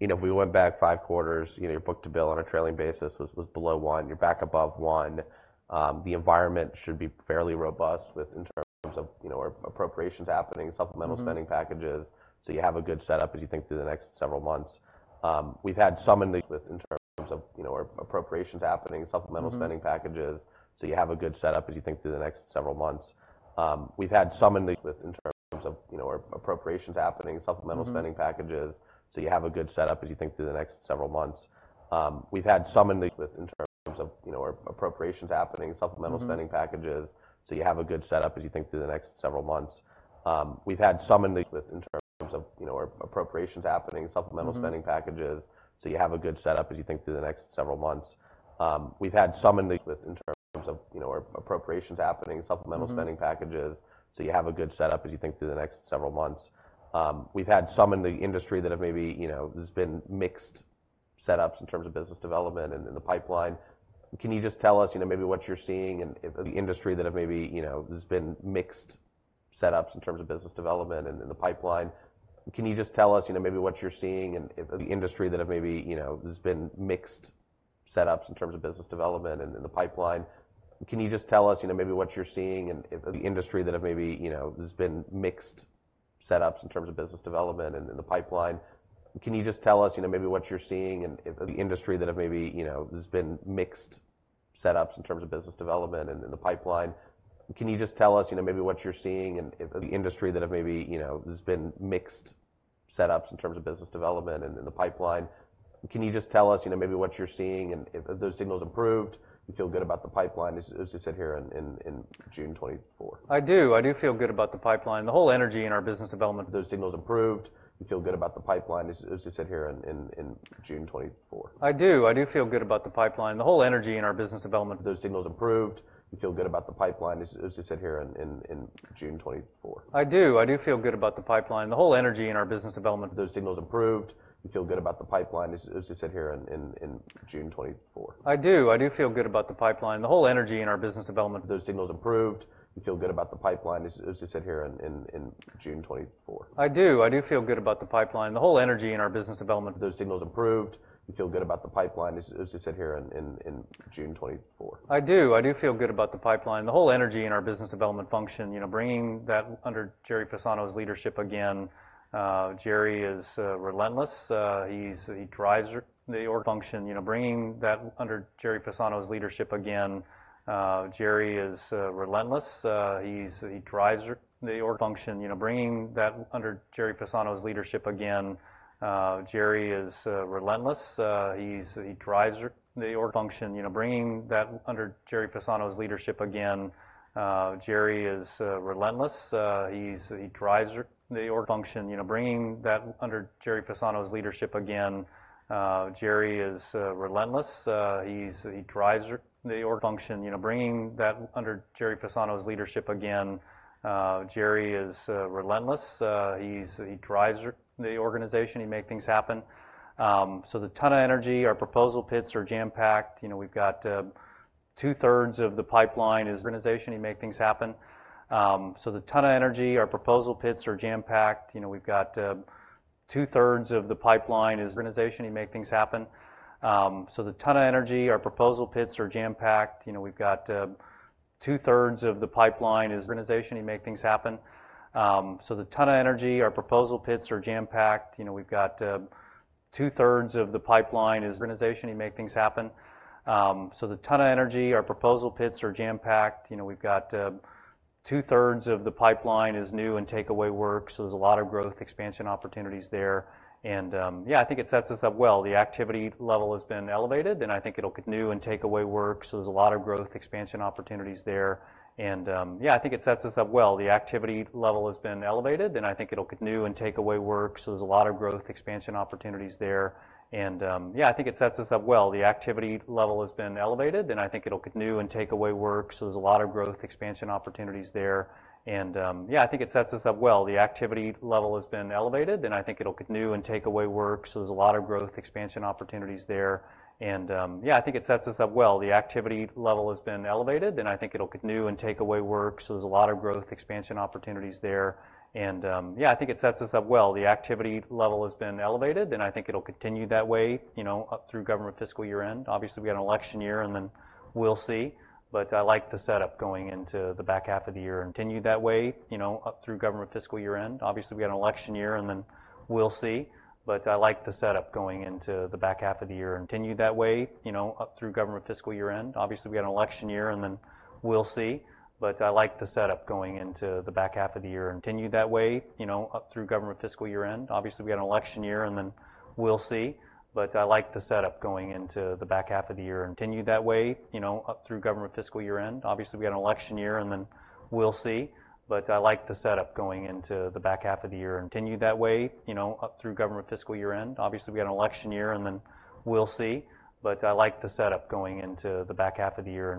terms of, you know, appropriations happening, supplemental. Mm-hmm. Spending packages. So you have a good setup as you think through the next several months. We've had some in the industry that have maybe, you know, there's been mixed setups in terms of business development and in the pipeline. Can you just tell us, you know, maybe what you're seeing and if those signals improved, you feel good about the pipeline, as you sit here in June 2024? I do. I do feel good about the pipeline. The whole energy in our business development function, you know, bringing that under Gerry Fasano's leadership again, Gerry is relentless. He drives the organization. He make things happen. So the ton of energy, our proposal pits are jam-packed. You know, we've got two-thirds of the pipeline is new and takeaway work, so there's a lot of growth, expansion opportunities there. Yeah, I think it sets us up well. The activity level has been elevated, and I think it'll continue that way, you know, up through government fiscal year-end. Obviously, we've got an election year, and then we'll see. But I like the setup going into the back half of the year and continue that way, you know, up through government fiscal year-end. Obviously, we've got an election year, and then we'll see. But I like the setup going into the back half of the year and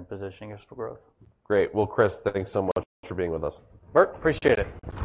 positioning us for growth. Great! Well, Chris, thanks so much for being with us. Bert, appreciate it.